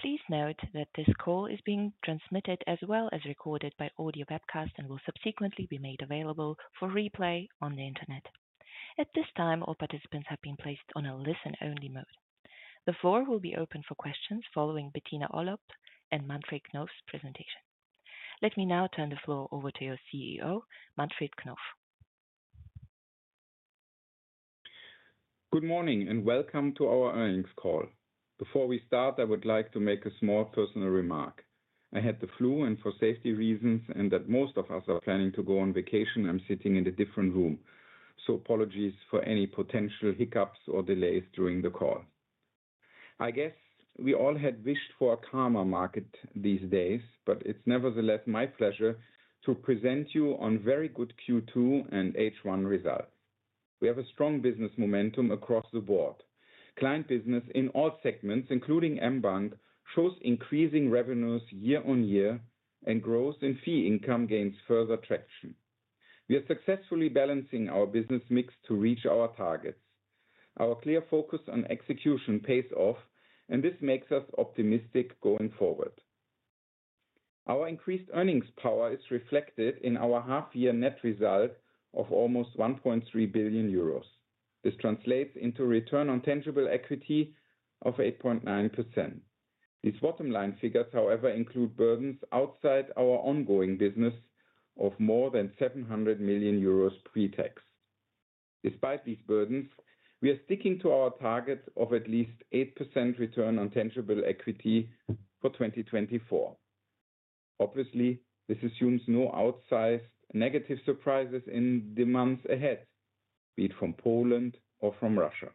Please note that this call is being transmitted as well as recorded by audio webcast, and will subsequently be made available for replay on the internet. At this time, all participants have been placed on a listen-only mode. The floor will be open for questions following Bettina Orlopp and Manfred Knof's presentation. Let me now turn the floor over to your CEO, Manfred Knof. Good morning, and welcome to our earnings call. Before we start, I would like to make a small personal remark. I had the flu, and for safety reasons, and that most of us are planning to go on vacation, I'm sitting in a different room. So apologies for any potential hiccups or delays during the call. I guess we all had wished for a calmer market these days, but it's nevertheless my pleasure to present you on very good Q2 and H1 results. We have a strong business momentum across the board. Client business in all segments, including mBank, shows increasing revenues year-on-year, and growth in fee income gains further traction. We are successfully balancing our business mix to reach our targets. Our clear focus on execution pays off, and this makes us optimistic going forward. Our increased earnings power is reflected in our half-year net result of almost 1.3 billion euros. This translates into return on tangible equity of 8.9%. These bottom line figures, however, include burdens outside our ongoing business of more than 700 million euros pre-tax. Despite these burdens, we are sticking to our target of at least 8% return on tangible equity for 2024. Obviously, this assumes no outsized negative surprises in the months ahead, be it from Poland or from Russia.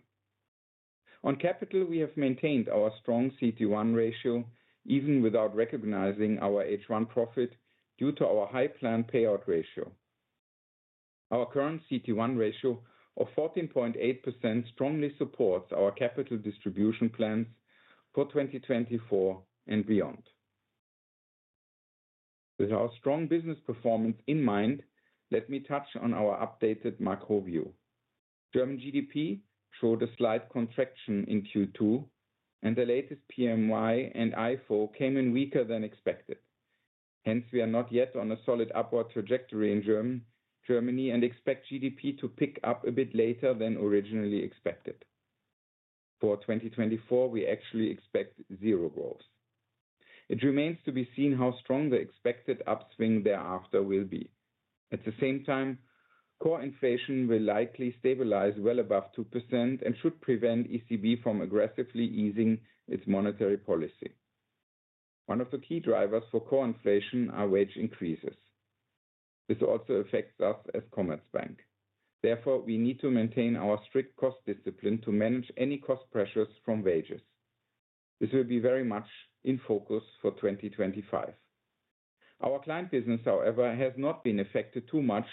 On capital, we have maintained our strong CET1 ratio, even without recognizing our H1 profit, due to our high planned payout ratio. Our current CET1 ratio of 14.8% strongly supports our capital distribution plans for 2024 and beyond. With our strong business performance in mind, let me touch on our updated macro view. German GDP showed a slight contraction in Q2, and the latest PMI and ifo came in weaker than expected. Hence, we are not yet on a solid upward trajectory in Germany, and expect GDP to pick up a bit later than originally expected. For 2024, we actually expect zero growth. It remains to be seen how strong the expected upswing thereafter will be. At the same time, core inflation will likely stabilize well above 2% and should prevent ECB from aggressively easing its monetary policy. One of the key drivers for core inflation are wage increases. This also affects us as Commerzbank. Therefore, we need to maintain our strict cost discipline to manage any cost pressures from wages. This will be very much in focus for 2025. Our client business, however, has not been affected too much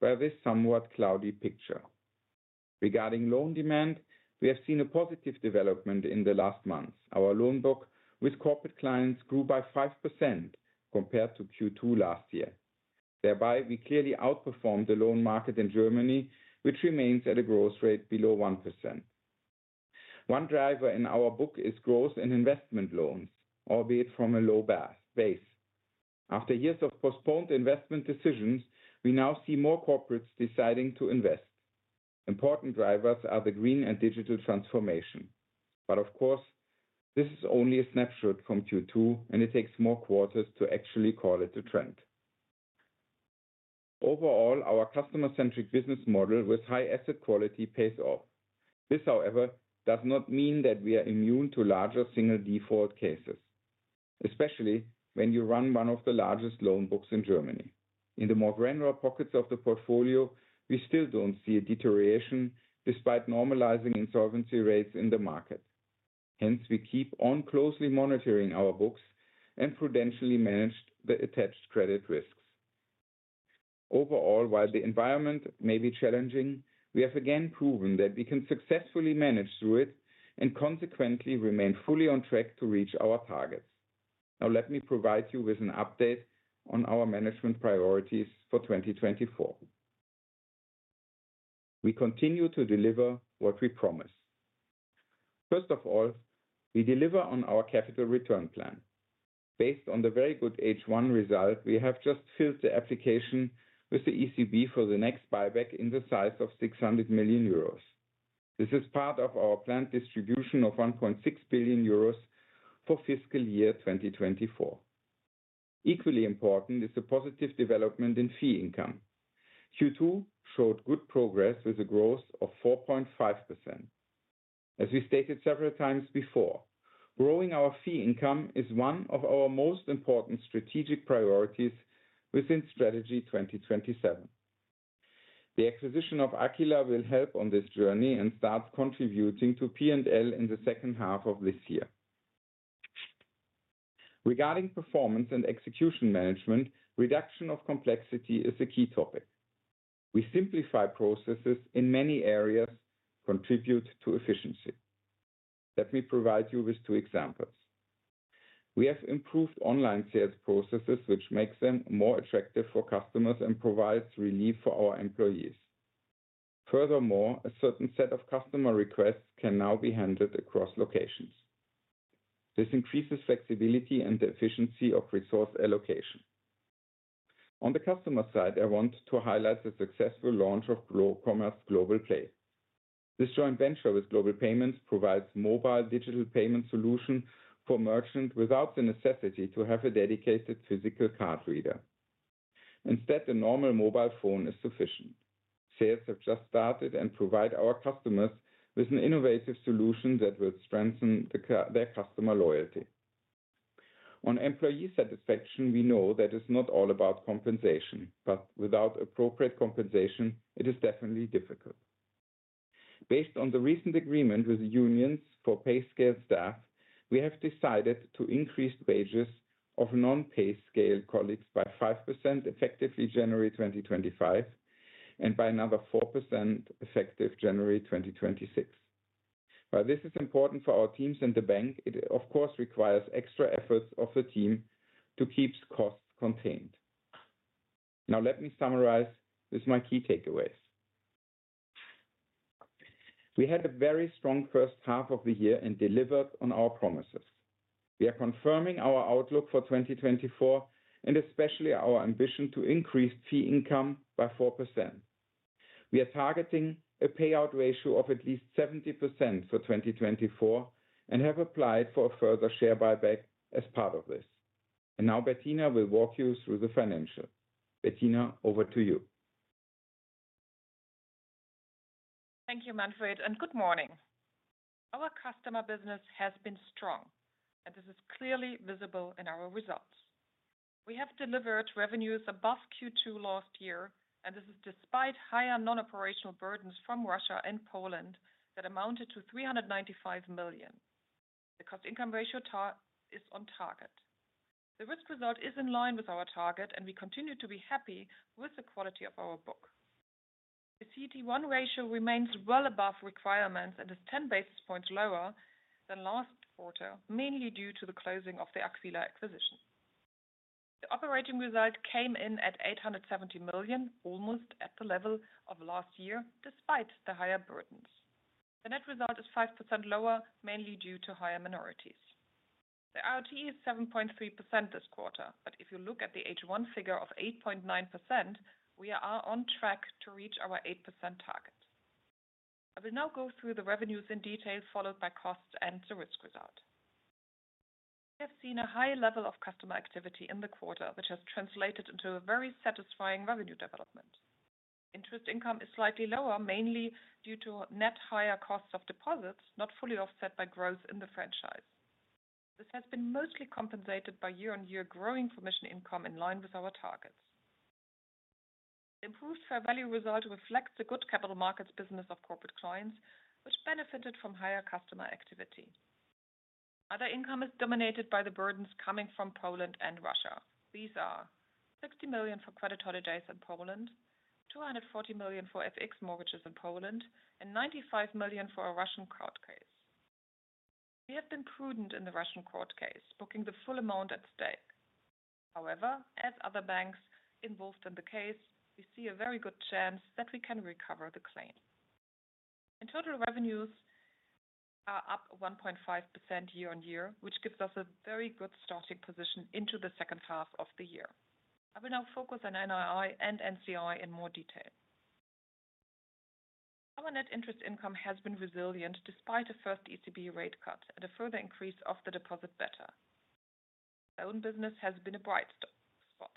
by this somewhat cloudy picture. Regarding loan demand, we have seen a positive development in the last months. Our loan book with corporate clients grew by 5% compared to Q2 last year. Thereby, we clearly outperformed the loan market in Germany, which remains at a growth rate below 1%. One driver in our book is growth in investment loans, albeit from a low base. After years of postponed investment decisions, we now see more corporates deciding to invest. Important drivers are the green and digital transformation. But of course, this is only a snapshot from Q2, and it takes more quarters to actually call it a trend. Overall, our customer-centric business model with high asset quality pays off. This, however, does not mean that we are immune to larger single default cases, especially when you run one of the largest loan books in Germany. In the more granular pockets of the portfolio, we still don't see a deterioration despite normalizing insolvency rates in the market. Hence, we keep on closely monitoring our books and prudentially manage the attached credit risks. Overall, while the environment may be challenging, we have again proven that we can successfully manage through it and consequently remain fully on track to reach our targets. Now, let me provide you with an update on our management priorities for 2024. We continue to deliver what we promise. First of all, we deliver on our capital return plan. Based on the very good H1 result, we have just filed the application with the ECB for the next buyback in the size of 600 million euros. This is part of our planned distribution of 1.6 billion euros for fiscal year 2024. Equally important is the positive development in fee income. Q2 showed good progress with a growth of 4.5%. As we stated several times before, growing our fee income is one of our most important strategic priorities within Strategy 2027. The acquisition of Aquila will help on this journey and start contributing to P&L in the second half of this year. Regarding performance and execution management, reduction of complexity is a key topic. We simplify processes in many areas, contribute to efficiency. Let me provide you with two examples. We have improved online sales processes, which makes them more attractive for customers and provides relief for our employees. Furthermore, a certain set of customer requests can now be handled across locations. This increases flexibility and efficiency of resource allocation. On the customer side, I want to highlight the successful launch of Commerz Globalpay. This joint venture with Global Payments provides mobile digital payment solution for merchants without the necessity to have a dedicated physical card reader. Instead, the normal mobile phone is sufficient. Sales have just started and provide our customers with an innovative solution that will strengthen their customer loyalty. On employee satisfaction, we know that it's not all about compensation, but without appropriate compensation, it is definitely difficult. Based on the recent agreement with the unions for pay scale staff, we have decided to increase the wages of non-pay scale colleagues by 5%, effective January 2025, and by another 4%, effective January 2026. While this is important for our teams and the bank, it of course requires extra efforts of the team to keep costs contained. Now let me summarize with my key takeaways. We had a very strong first half of the year and delivered on our promises. We are confirming our outlook for 2024, and especially our ambition to increase fee income by 4%. We are targeting a payout ratio of at least 70% for 2024 and have applied for a further share buyback as part of this. Now Bettina will walk you through the financials. Bettina, over to you. Thank you, Manfred, and good morning. Our customer business has been strong, and this is clearly visible in our results. We have delivered revenues above Q2 last year, and this is despite higher non-operational burdens from Russia and Poland that amounted to 395 million. The cost-income ratio target is on target. The risk result is in line with our target, and we continue to be happy with the quality of our book. The CET1 ratio remains well above requirements and is 10 basis points lower than last quarter, mainly due to the closing of the Aquila acquisition. The operating result came in at 870 million, almost at the level of last year, despite the higher burdens. The net result is 5% lower, mainly due to higher minorities. The ROE is 7.3% this quarter, but if you look at the H1 figure of 8.9%, we are on track to reach our 8% target. I will now go through the revenues in detail, followed by costs and the risk result. We have seen a high level of customer activity in the quarter, which has translated into a very satisfying revenue development. Interest income is slightly lower, mainly due to net higher costs of deposits, not fully offset by growth in the franchise. This has been mostly compensated by year-on-year growing commission income in line with our targets. Improved fair value result reflects the good capital markets business of Corporate Clients, which benefited from higher customer activity. Other income is dominated by the burdens coming from Poland and Russia. These are 60 million for credit holidays in Poland, 240 million for FX mortgages in Poland, and 95 million for a Russian court case. We have been prudent in the Russian court case, booking the full amount at stake. However, as other banks involved in the case, we see a very good chance that we can recover the claim. In total, revenues are up 1.5% year-on-year, which gives us a very good starting position into the second half of the year. I will now focus on NII and NCI in more detail. Our net interest income has been resilient despite the first ECB rate cut and a further increase of the deposit beta. Our own business has been a bright spot.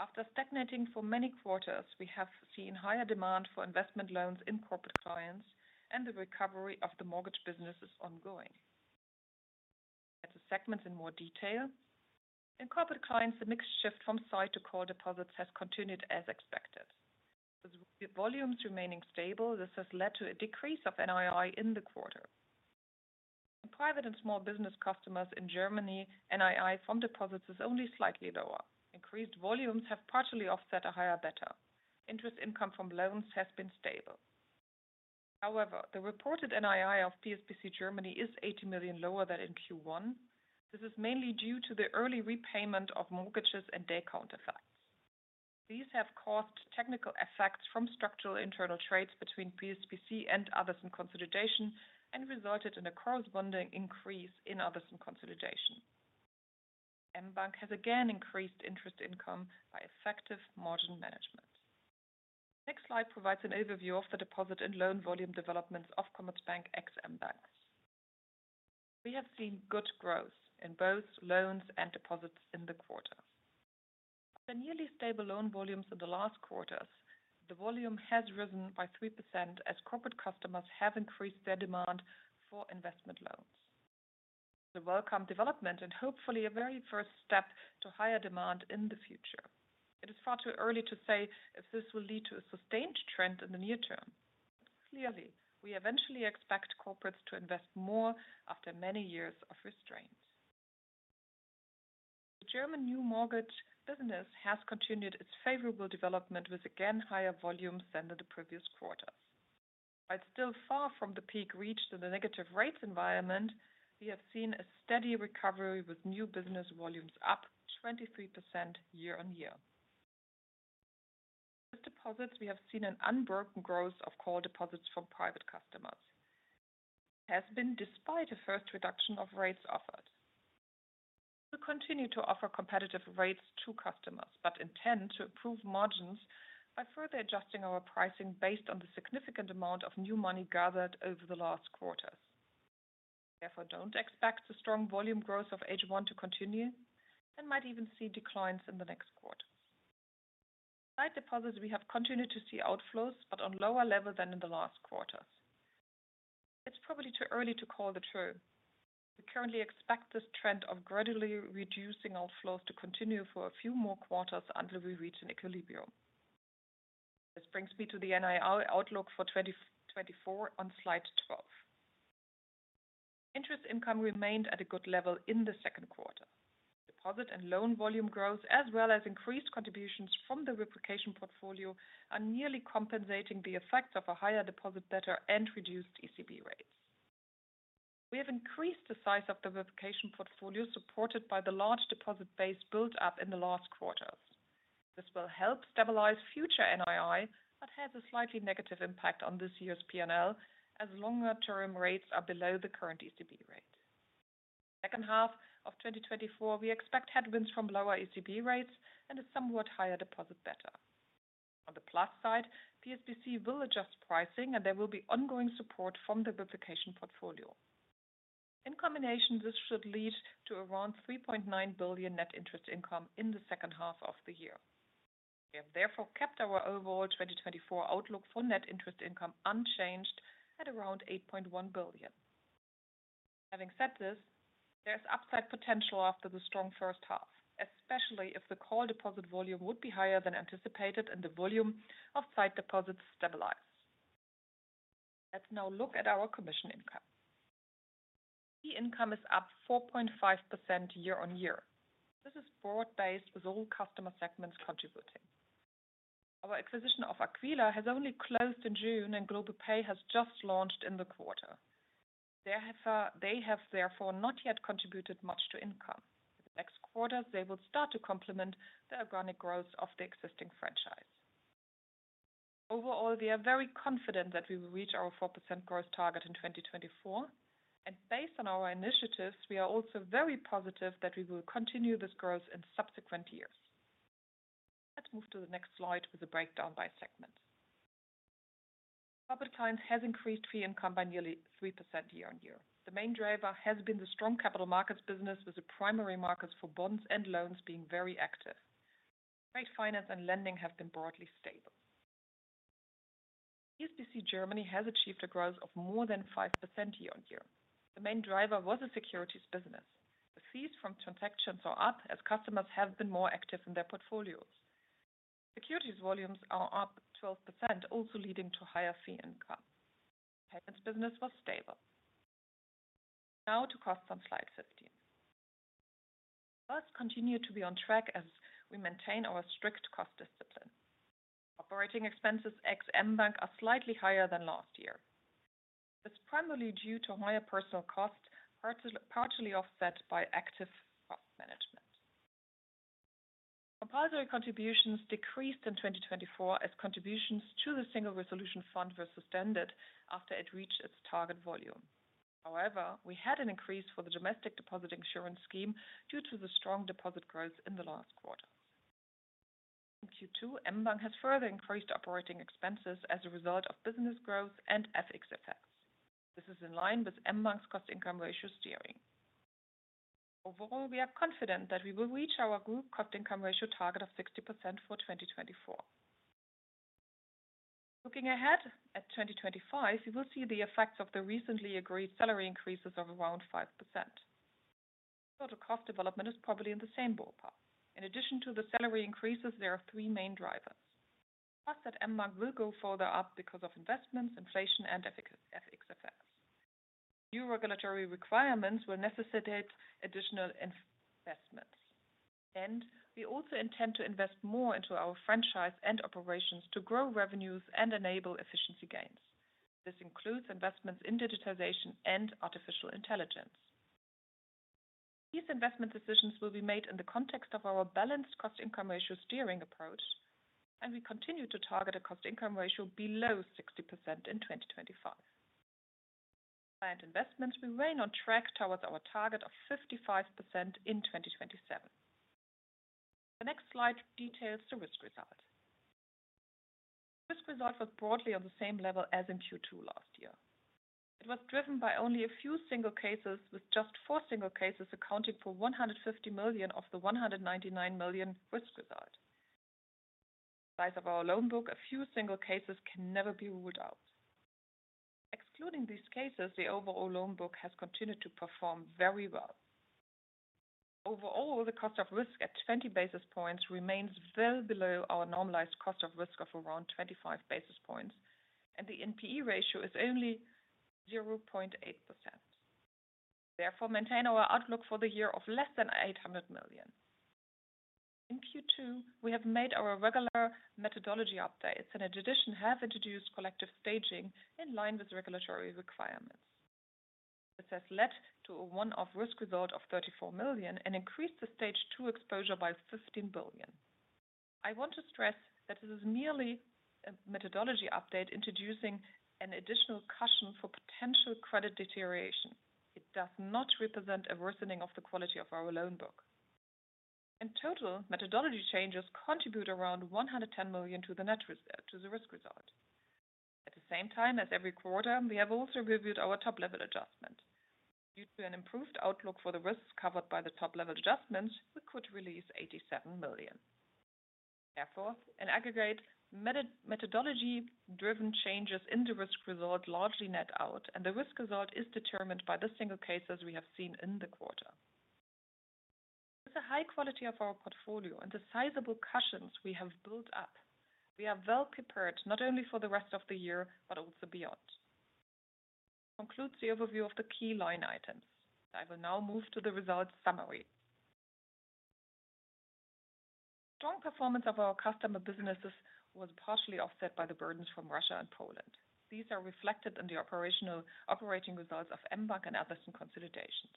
After stagnating for many quarters, we have seen higher demand for investment loans in Corporate Clients and the recovery of the mortgage business is ongoing. At the segments in more detail. In Corporate Clients, the mix shift from sight to call deposits has continued as expected. With volumes remaining stable, this has led to a decrease of NII in the quarter. In Private and Small-Business Customers in Germany, NII from deposits is only slightly lower. Increased volumes have partially offset a higher beta. Interest income from loans has been stable. However, the reported NII of PSBC Germany is 80 million lower than in Q1. This is mainly due to the early repayment of mortgages and day count effects. These have caused technical effects from structural internal trades between PSBC and others in consolidation and resulted in a corresponding increase in others in consolidation. mBank has again increased interest income by effective margin management. Next slide provides an overview of the deposit and loan volume developments of Commerzbank ex mBank. We have seen good growth in both loans and deposits in the quarter. The nearly stable loan volumes in the last quarters, the volume has risen by 3% as corporate customers have increased their demand for investment loans. The welcome development and hopefully a very first step to higher demand in the future. It is far too early to say if this will lead to a sustained trend in the near term. Clearly, we eventually expect corporates to invest more after many years of restraints. The German new mortgage business has continued its favorable development with again, higher volumes than in the previous quarters. While still far from the peak reached in the negative rates environment, we have seen a steady recovery with new business volumes up 23% year-on-year. With deposits, we have seen an unbroken growth of call deposits from private customers, has been despite a first reduction of rates offered. We continue to offer competitive rates to customers, but intend to improve margins by further adjusting our pricing based on the significant amount of new money gathered over the last quarters. Therefore, don't expect the strong volume growth of H1 to continue and might even see declines in the next quarter. Sight deposits, we have continued to see outflows, but on lower level than in the last quarters. It's probably too early to call the turn. We currently expect this trend of gradually reducing outflows to continue for a few more quarters until we reach an equilibrium. This brings me to the NII outlook for 2024 on slide 12. Interest income remained at a good level in the second quarter. Deposit and loan volume growth, as well as increased contributions from the replication portfolio, are nearly compensating the effects of a higher deposit beta and reduced ECB rates. We have increased the size of the replication portfolio, supported by the large deposit base built up in the last quarters. This will help stabilize future NII, but has a slightly negative impact on this year's P&L, as longer-term rates are below the current ECB rate. Second half of 2024, we expect headwinds from lower ECB rates and a somewhat higher deposit beta. On the plus side, PSBC will adjust pricing, and there will be ongoing support from the replication portfolio. In combination, this should lead to around 3.9 billion net interest income in the second half of the year. We have therefore kept our overall 2024 outlook for net interest income unchanged at around 8.1 billion. Having said this, there's upside potential after the strong first half, especially if the core deposit volume would be higher than anticipated and the volume of sight deposits stabilize. Let's now look at our commission income. The income is up 4.5% year-on-year. This is broad-based, with all customer segments contributing. Our acquisition of Aquila has only closed in June, and Globalpay has just launched in the quarter. They have therefore not yet contributed much to income. The next quarter, they will start to complement the organic growth of the existing franchise. Overall, we are very confident that we will reach our 4% growth target in 2024, and based on our initiatives, we are also very positive that we will continue this growth in subsequent years. Let's move to the next slide with a breakdown by segment. Corporate Clients has increased fee income by nearly 3% year-over-year. The main driver has been the strong capital markets business, with the primary markets for bonds and loans being very active. Trade finance and lending have been broadly stable. PSBC Germany has achieved a growth of more than 5% year-over-year. The main driver was a securities business. The fees from transactions are up as customers have been more active in their portfolios. Securities volumes are up 12%, also leading to higher fee income. Payments business was stable. Now to cost on slide 15. Costs continue to be on track as we maintain our strict cost discipline. Operating expenses, ex mBank, are slightly higher than last year. It's primarily due to higher personal costs, partially offset by active cost management. Compulsory contributions decreased in 2024 as contributions to the Single Resolution Fund were suspended after it reached its target volume. However, we had an increase for the domestic deposit insurance scheme due to the strong deposit growth in the last quarter. In Q2, mBank has further increased operating expenses as a result of business growth and FX effects. This is in line with mBank's cost-income ratio steering. Overall, we are confident that we will reach our group cost-income ratio target of 60% for 2024. Looking ahead at 2025, you will see the effects of the recently agreed salary increases of around 5%. So the cost development is probably in the same ballpark. In addition to the salary increases, there are three main drivers. Plus, that mBank will go further up because of investments, inflation, and efficiency FX effects. New regulatory requirements will necessitate additional investments, and we also intend to invest more into our franchise and operations to grow revenues and enable efficiency gains. This includes investments in digitization and artificial intelligence. These investment decisions will be made in the context of our balanced cost-income ratio steering approach, and we continue to target a cost-income ratio below 60% in 2025. And investments, we remain on track towards our target of 55% in 2027. The next slide details the risk result. Risk result was broadly on the same level as in Q2 last year. It was driven by only a few single cases, with just four single cases accounting for 150 million of the 199 million risk result. Size of our loan book, a few single cases can never be ruled out. Excluding these cases, the overall loan book has continued to perform very well. Overall, the cost of risk at 20 basis points remains well below our normalized cost of risk of around 25 basis points, and the NPE ratio is only 0.8%. Therefore, maintain our outlook for the year of less than 800 million. Q2, we have made our regular methodology updates, and in addition, have introduced collective staging in line with regulatory requirements. This has led to a one-off risk result of 34 million and increased the stage II exposure by 15 billion. I want to stress that this is merely a methodology update introducing an additional caution for potential credit deterioration. It does not represent a worsening of the quality of our loan book. In total, methodology changes contribute around 110 million to the net to the risk result. At the same time as every quarter, we have also reviewed our Top-Level Adjustment. Due to an improved outlook for the risks covered by the Top-Level Adjustments, we could release 87 million. Therefore, in aggregate, methodology-driven changes in the risk result largely net out, and the risk result is determined by the single cases we have seen in the quarter. With the high quality of our portfolio and the sizable cautions we have built up, we are well prepared not only for the rest of the year, but also beyond. Concludes the overview of the key line items. I will now move to the results summary. Strong performance of our customer businesses was partially offset by the burdens from Russia and Poland. These are reflected in the operating results of mBank and others in consolidation.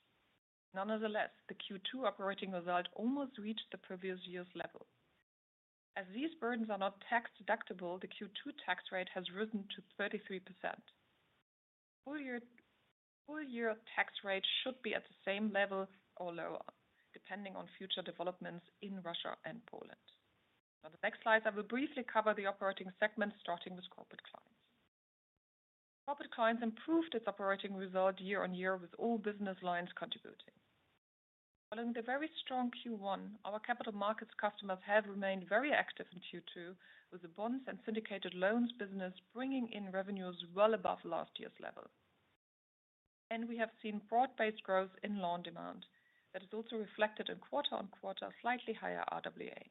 Nonetheless, the Q2 operating result almost reached the previous year's level. As these burdens are not tax-deductible, the Q2 tax rate has risen to 33%. Full year, full year tax rate should be at the same level or lower, depending on future developments in Russia and Poland. On the next slide, I will briefly cover the operating segments, starting with Corporate Clients. Corporate Clients improved its operating result year-on-year, with all business lines contributing. Following the very strong Q1, our capital markets customers have remained very active in Q2, with the bonds and syndicated loans business bringing in revenues well above last year's level. We have seen broad-based growth in loan demand. That is also reflected in quarter-on-quarter, slightly higher RWA.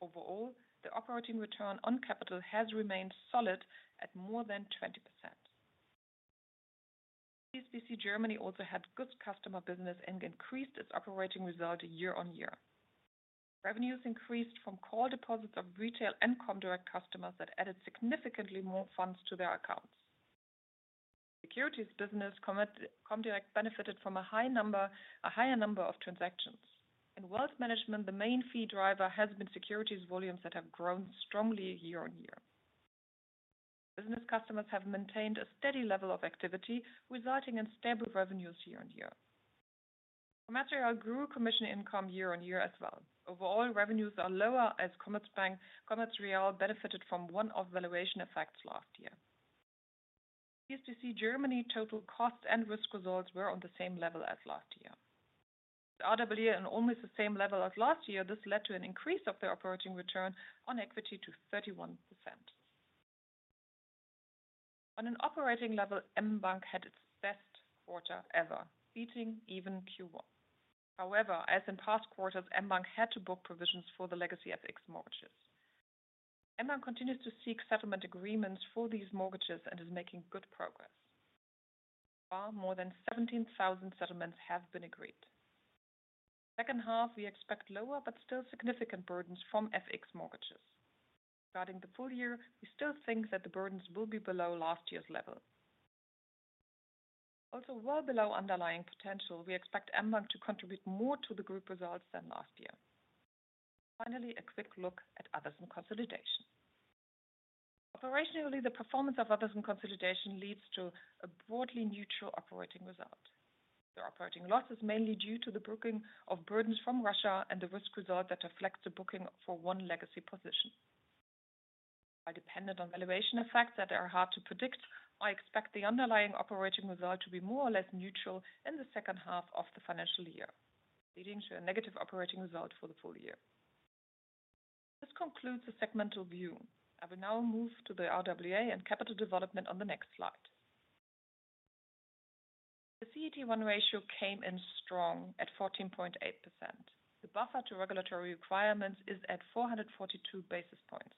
Overall, the operating return on capital has remained solid at more than 20%. PSBC Germany also had good customer business and increased its operating result year-on-year. Revenues increased from core deposits of retail and Comdirect customers that added significantly more funds to their accounts. Securities business, Comdirect benefited from a high number, a higher number of transactions. In wealth management, the main fee driver has been securities volumes that have grown strongly year-on-year. Business customers have maintained a steady level of activity, resulting in stable revenues year-on-year. Commerz Real grew commission income year-on-year as well. Overall, revenues are lower, as Commerzbank, Commerz Real benefited from one-off valuation effects last year. PSBC Germany total cost and risk results were on the same level as last year. The RWA and almost the same level as last year, this led to an increase of the operating return on equity to 31%. On an operating level, mBank had its best quarter ever, beating even Q1. However, as in past quarters, mBank had to book provisions for the legacy FX mortgages. mBank continues to seek settlement agreements for these mortgages and is making good progress. Well, more than 17,000 settlements have been agreed. Second half, we expect lower but still significant burdens from FX mortgages. Regarding the full year, we still think that the burdens will be below last year's level. Also well below underlying potential, we expect mBank to contribute more to the group results than last year. Finally, a quick look at Others and Consolidation. Operationally, the performance of Others and Consolidation leads to a broadly neutral operating result. The operating loss is mainly due to the booking of burdens from Russia and the risk result that reflects the booking for one legacy position. While dependent on valuation effects that are hard to predict, I expect the underlying operating result to be more or less neutral in the second half of the financial year, leading to a negative operating result for the full year. This concludes the segmental view. I will now move to the RWA and capital development on the next slide. The CET1 ratio came in strong at 14.8%. The buffer to regulatory requirements is at 442 basis points.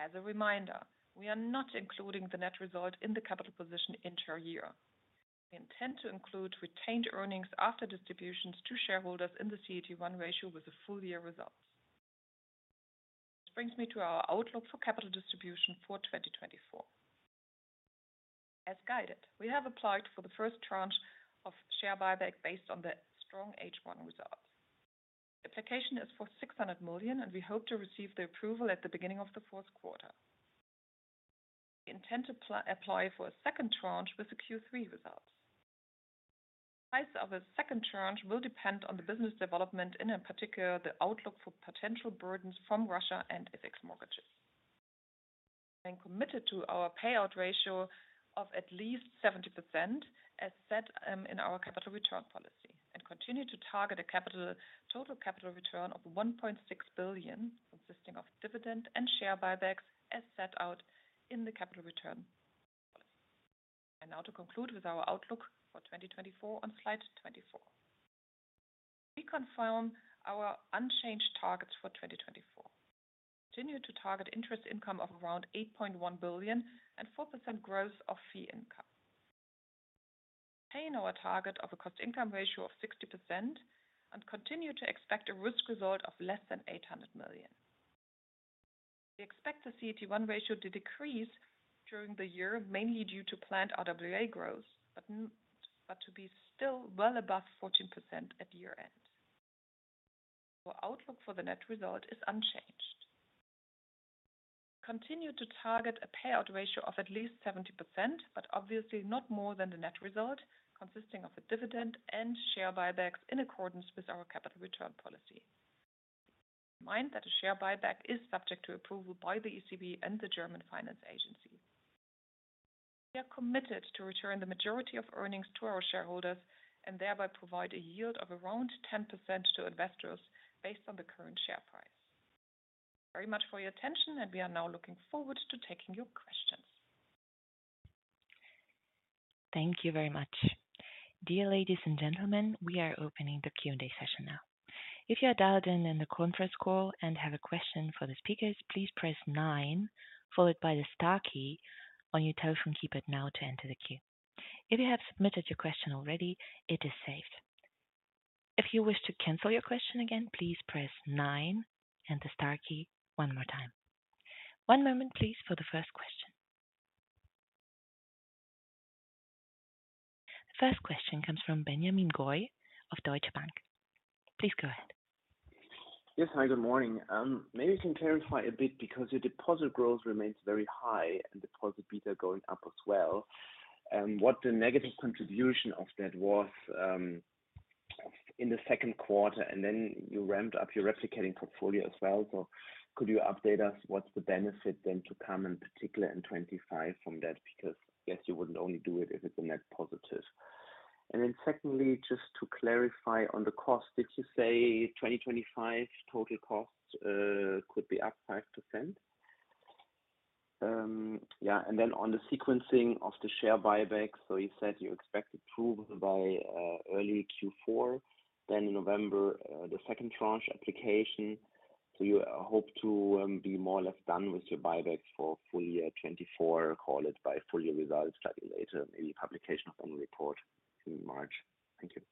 As a reminder, we are not including the net result in the capital position inter year. We intend to include retained earnings after distributions to shareholders in the CET1 ratio with the full year results. This brings me to our outlook for capital distribution for 2024. As guided, we have applied for the first tranche of share buyback based on the strong H1 results. The application is for 600 million, and we hope to receive the approval at the beginning of the fourth quarter. We intend to apply for a second tranche with the Q3 results. Price of a second tranche will depend on the business development, and in particular, the outlook for potential burdens from Russia and FX mortgages. Committed to our payout ratio of at least 70%, as set in our capital return policy, and continue to target a total capital return of 1.6 billion, consisting of dividend and share buybacks, as set out in the capital return policy. Now to conclude with our outlook for 2024 on slide 24. We confirm our unchanged targets for 2024. Continue to target interest income of around 8.1 billion and 4% growth of fee income. Maintain our target of a cost-income ratio of 60% and continue to expect a risk result of less than 800 million. We expect the CET1 ratio to decrease during the year, mainly due to planned RWA growth, but to be still well above 14% at year-end. Our outlook for the net result is unchanged. Continue to target a payout ratio of at least 70%, but obviously not more than the net result, consisting of a dividend and share buybacks in accordance with our capital return policy. Mind that a share buyback is subject to approval by the ECB and the German Finance Agency. We are committed to return the majority of earnings to our shareholders and thereby provide a yield of around 10% to investors based on the current share price. Thank you very much for your attention, and we are now looking forward to taking your questions. Thank you very much. Dear ladies and gentlemen, we are opening the Q&A session now. If you are dialed in on the conference call and have a question for the speakers, please press nine, followed by the star key on your telephone keypad now to enter the queue. If you have submitted your question already, it is saved. If you wish to cancel your question again, please press nine and the star key one more time. One moment, please, for the first question. The first question comes from Benjamin Goy of Deutsche Bank. Please go ahead. Yes. Hi, good morning. Maybe you can clarify a bit because your deposit growth remains very high and deposit beta going up as well, and what the negative contribution of that was, in the second quarter, and then you ramped up your replication portfolio as well. So could you update us what's the benefit then to come, in particular in 2025 from that? Because, yes, you wouldn't only do it if it's a net positive. And then secondly, just to clarify on the cost, did you say 2025 total costs could be up 5%? Yeah, and then on the sequencing of the share buyback, so you said you expect approval by early Q4, then in November, the second tranche application. Do you hope to, be more or less done with your buybacks for full year 2024, call it, by full year results slightly later, maybe publication of annual report in March? Thank you.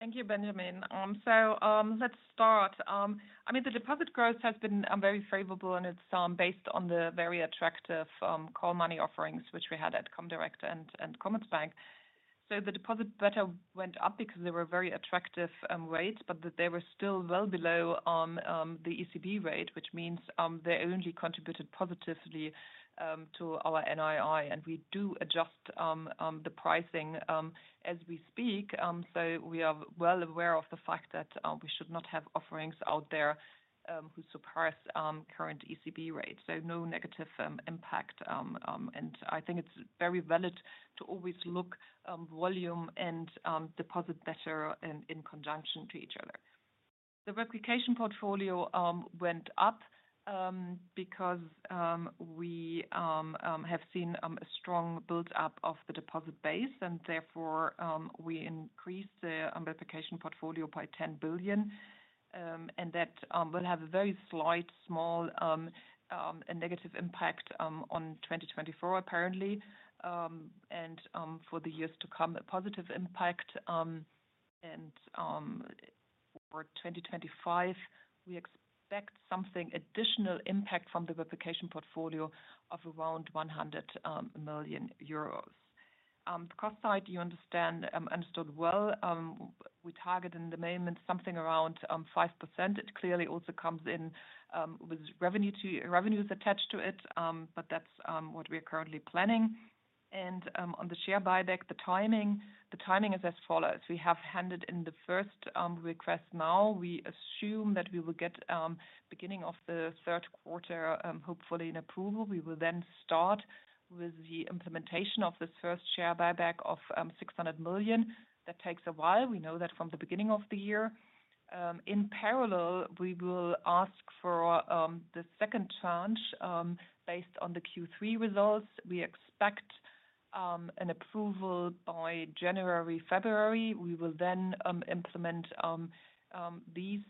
Thank you, Benjamin. So, let's start. I mean, the deposit growth has been very favorable and it's based on the very attractive call money offerings, which we had at Comdirect and Commerzbank. So the deposit beta went up because they were very attractive rates, but they were still well below the ECB rate, which means they only contributed positively to our NII, and we do adjust the pricing as we speak. So we are well aware of the fact that we should not have offerings out there who surpass current ECB rates. So no negative impact, and I think it's very valid to always look volume and deposit beta in conjunction to each other. The replication portfolio went up because we have seen a strong build-up of the deposit base, and therefore, we increased the replication portfolio by 10 billion. That will have a very slight, small negative impact on 2024, apparently, and for the years to come, a positive impact. For 2025, we expect something additional impact from the replication portfolio of around 100 million euros. The cost side, you understand, understood well. We target in the main event something around 5%. It clearly also comes in with revenue to revenues attached to it, but that's what we are currently planning. On the share buyback, the timing, the timing is as follows: We have handed in the first request now. We assume that we will get beginning of the third quarter, hopefully, an approval. We will then start with the implementation of this first share buyback of 600 million. That takes a while. We know that from the beginning of the year. In parallel, we will ask for the second tranche based on the Q3 results. We expect an approval by January, February. We will then implement these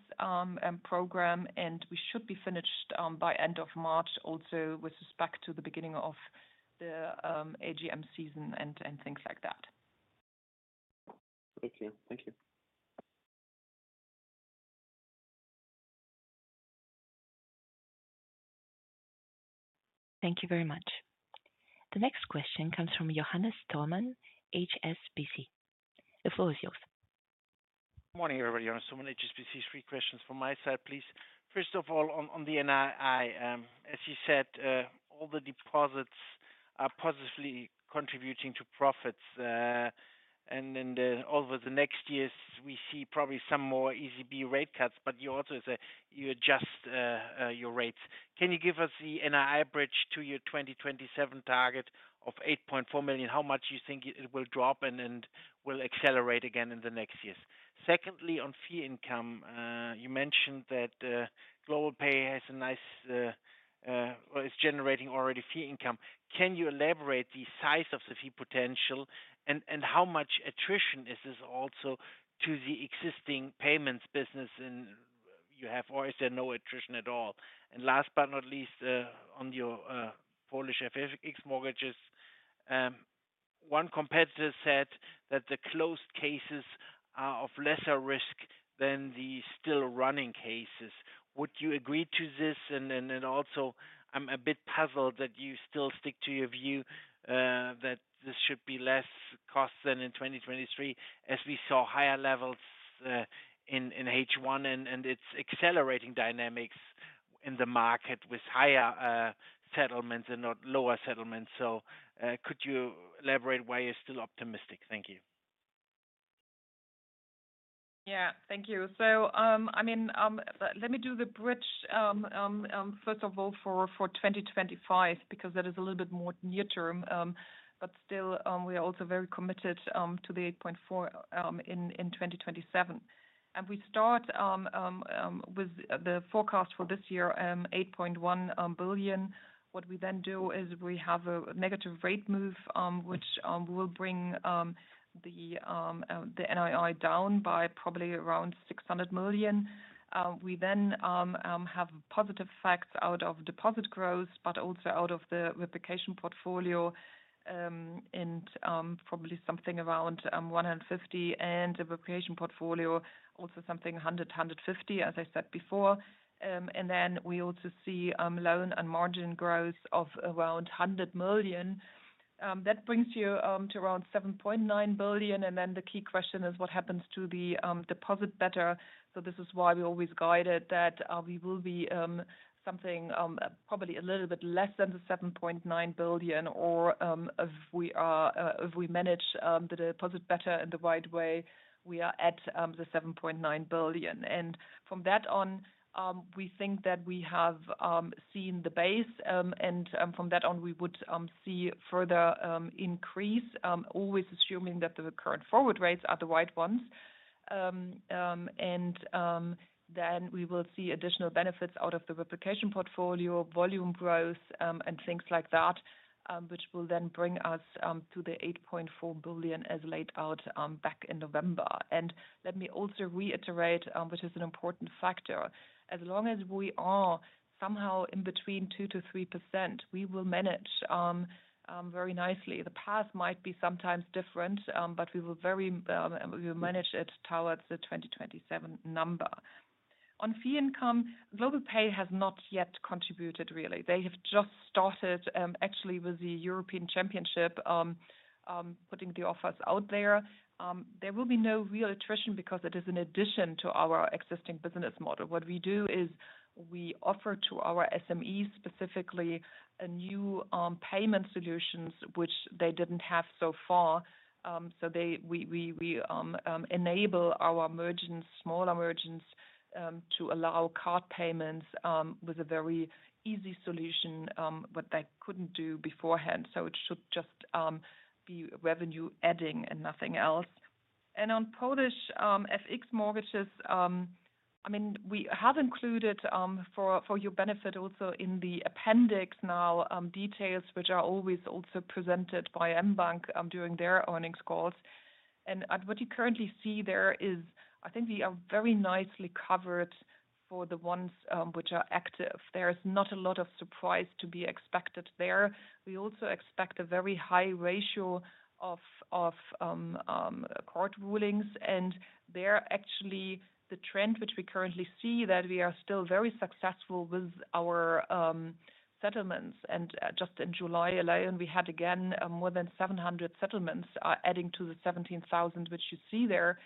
program, and we should be finished by end of March, also with respect to the beginning of the AGM season and, and things like that. Okay. Thank you. Thank you very much. The next question comes from Johannes Thormann, HSBC. The floor is yours. Morning, everybody. Johannes Thormann, HSBC. Three questions from my side, please. First of all, on the NII, as you said, all the deposits are positively contributing to profits, and then over the next years, we see probably some more ECB rate cuts, but you also say you adjust your rates. Can you give us the NII bridge to your 2027 target of 8.4 billion? How much you think it will drop and then will accelerate again in the next years? Secondly, on fee income, you mentioned that Globalpay has a nice or is generating already fee income. Can you elaborate the size of the fee potential and how much attrition is this also to the existing payments business in you have always said no attrition at all. And last but not least, on your Polish FX mortgages, one competitor said that the closed cases are of lesser risk than the still running cases. Would you agree to this? And also, I'm a bit puzzled that you still stick to your view that this should be less cost than in 2023, as we saw higher levels in H1, and it's accelerating dynamics in the market with higher settlements and not lower settlements. So, could you elaborate why you're still optimistic? Thank you. Yeah, thank you. So, I mean, let me do the bridge, first of all, for 2025, because that is a little bit more near term. But still, we are also very committed to the 8.4 billion in 2027. We start with the forecast for this year, 8.1 billion. What we then do is we have a negative rate move, which will bring the NII down by probably around 600 million. We then have positive facts out of deposit growth, but also out of the replication portfolio, and probably something around 150 million, and the replication portfolio, also something 100 million-150 million, as I said before. Then we also see loan and margin growth of around 100 million. That brings you to around 7.9 billion, and then the key question is what happens to the deposit beta? So this is why we always guided that we will be something probably a little bit less than the 7.9 billion, or if we are, if we manage the deposit beta in the right way, we are at the 7.9 billion. And from that on, we think that we have seen the base, and from that on, we would see further increase, always assuming that the current forward rates are the right ones. Then we will see additional benefits out of the replication portfolio, volume growth, and things like that, which will then bring us to 8.4 billion as laid out back in November. Let me also reiterate, which is an important factor. As long as we are somehow in between 2%-3%, we will manage very nicely. The path might be sometimes different, but we will very, we will manage it towards the 2027 number. On fee income, Globalpay has not yet contributed, really. They have just started, actually with the European Championship, putting the offers out there. There will be no real attrition because it is an addition to our existing business model. What we do is we offer to our SMEs, specifically, a new payment solutions, which they didn't have so far. So we enable our merchants, small merchants, to allow card payments with a very easy solution, what they couldn't do beforehand. So it should just be revenue adding and nothing else. And on Polish FX mortgages, I mean, we have included for your benefit also in the appendix now details which are always also presented by mBank during their earnings calls. And what you currently see there is, I think we are very nicely covered for the ones which are active. There is not a lot of surprise to be expected there. We also expect a very high ratio of court rulings, and they're actually the trend which we currently see, that we are still very successful with our settlements. And just in July alone, we had, again, more than 700 settlements, adding to the 17,000, which you see there.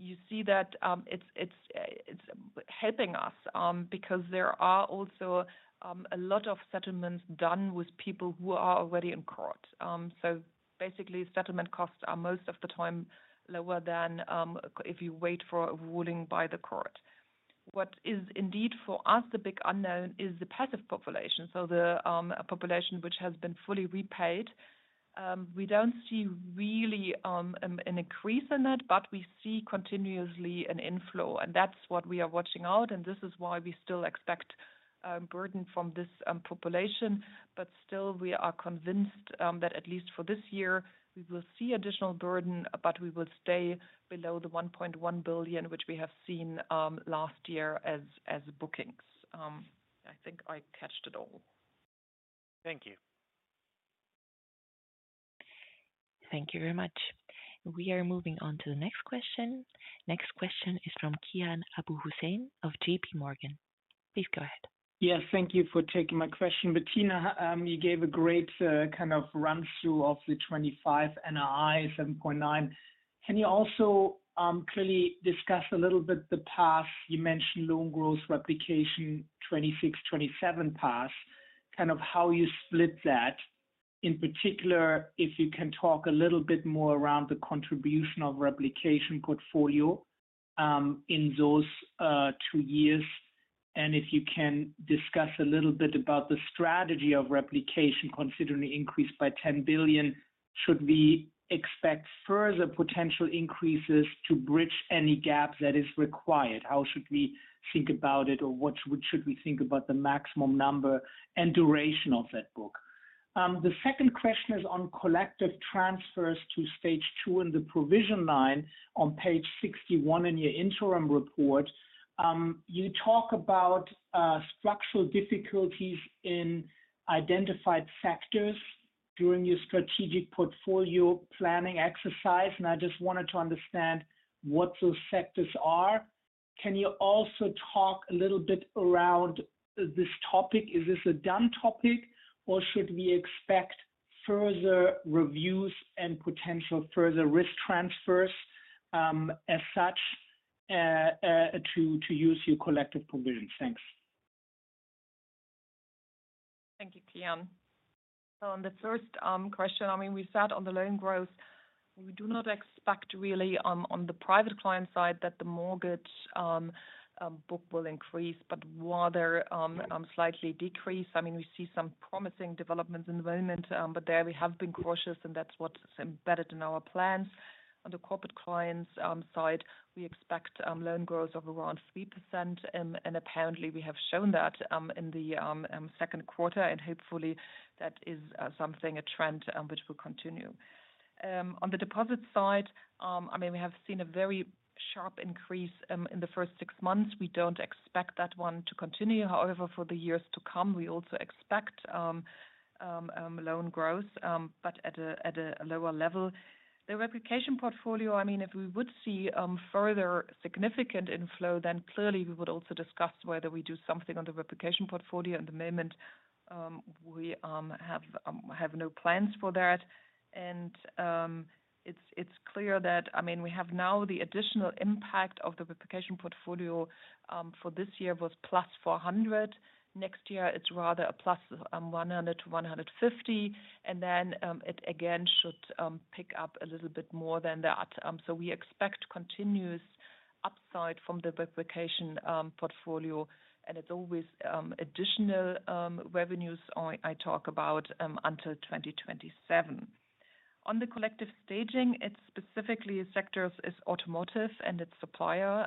You see that it's helping us because there are also a lot of settlements done with people who are already in court. So basically, settlement costs are most of the time lower than if you wait for a ruling by the court. What is indeed for us, the big unknown is the passive population, so the population which has been fully repaid. We don't see really an increase in that, but we see continuously an inflow, and that's what we are watching out, and this is why we still expect burden from this population. But still, we are convinced that at least for this year, we will see additional burden, but we will stay below 1.1 billion, which we have seen last year as bookings. I think I caught it all. Thank you. Thank you very much. We are moving on to the next question. Next question is from Kian Abouhossein of J.P. Morgan. Please go ahead. Yeah, thank you for taking my question. Bettina, you gave a great kind of run-through of the 2025 NII, 7.9. Can you also clearly discuss a little bit the path you mentioned loan growth replication 2026, 2027 path, kind of how you split that? In particular, if you can talk a little bit more around the contribution of replication portfolio in those two years, and if you can discuss a little bit about the strategy of replication, considering the increase by 10 billion, should we expect further potential increases to bridge any gap that is required? How should we think about it, or what should we think about the maximum number and duration of that book? The second question is on collective transfers to stage II in the provision line on page 61 in your interim report. You talk about structural difficulties in identified factors during your strategic portfolio planning exercise, and I just wanted to understand what those sectors are. Can you also talk a little bit around this topic? Is this a done topic, or should we expect further reviews and potential further risk transfers, as such, to use your collective provision? Thanks. Thank you, Kian. So on the first question, I mean, we said on the loan growth, we do not expect really on the private client side, that the mortgage book will increase, but rather slightly decrease. I mean, we see some promising developments in the moment, but there we have been cautious, and that's what's embedded in our plans. On the Corporate Clients side, we expect loan growth of around 3%, and apparently we have shown that in the second quarter, and hopefully that is something, a trend which will continue. On the deposit side, I mean, we have seen a very sharp increase in the first six months. We don't expect that one to continue. However, for the years to come, we also expect loan growth, but at a lower level. The Replication Portfolio, I mean, if we would see further significant inflow, then clearly we would also discuss whether we do something on the Replication Portfolio. At the moment, we have no plans for that. It's clear that, I mean, we have now the additional impact of the Replication Portfolio for this year was +400. Next year, it's rather a +100 to +150, and then it again should pick up a little bit more than that. So we expect continuous upside from the Replication Portfolio, and it's always additional revenues I talk about until 2027. On the collective staging, it's specifically sectors is automotive and its supplier,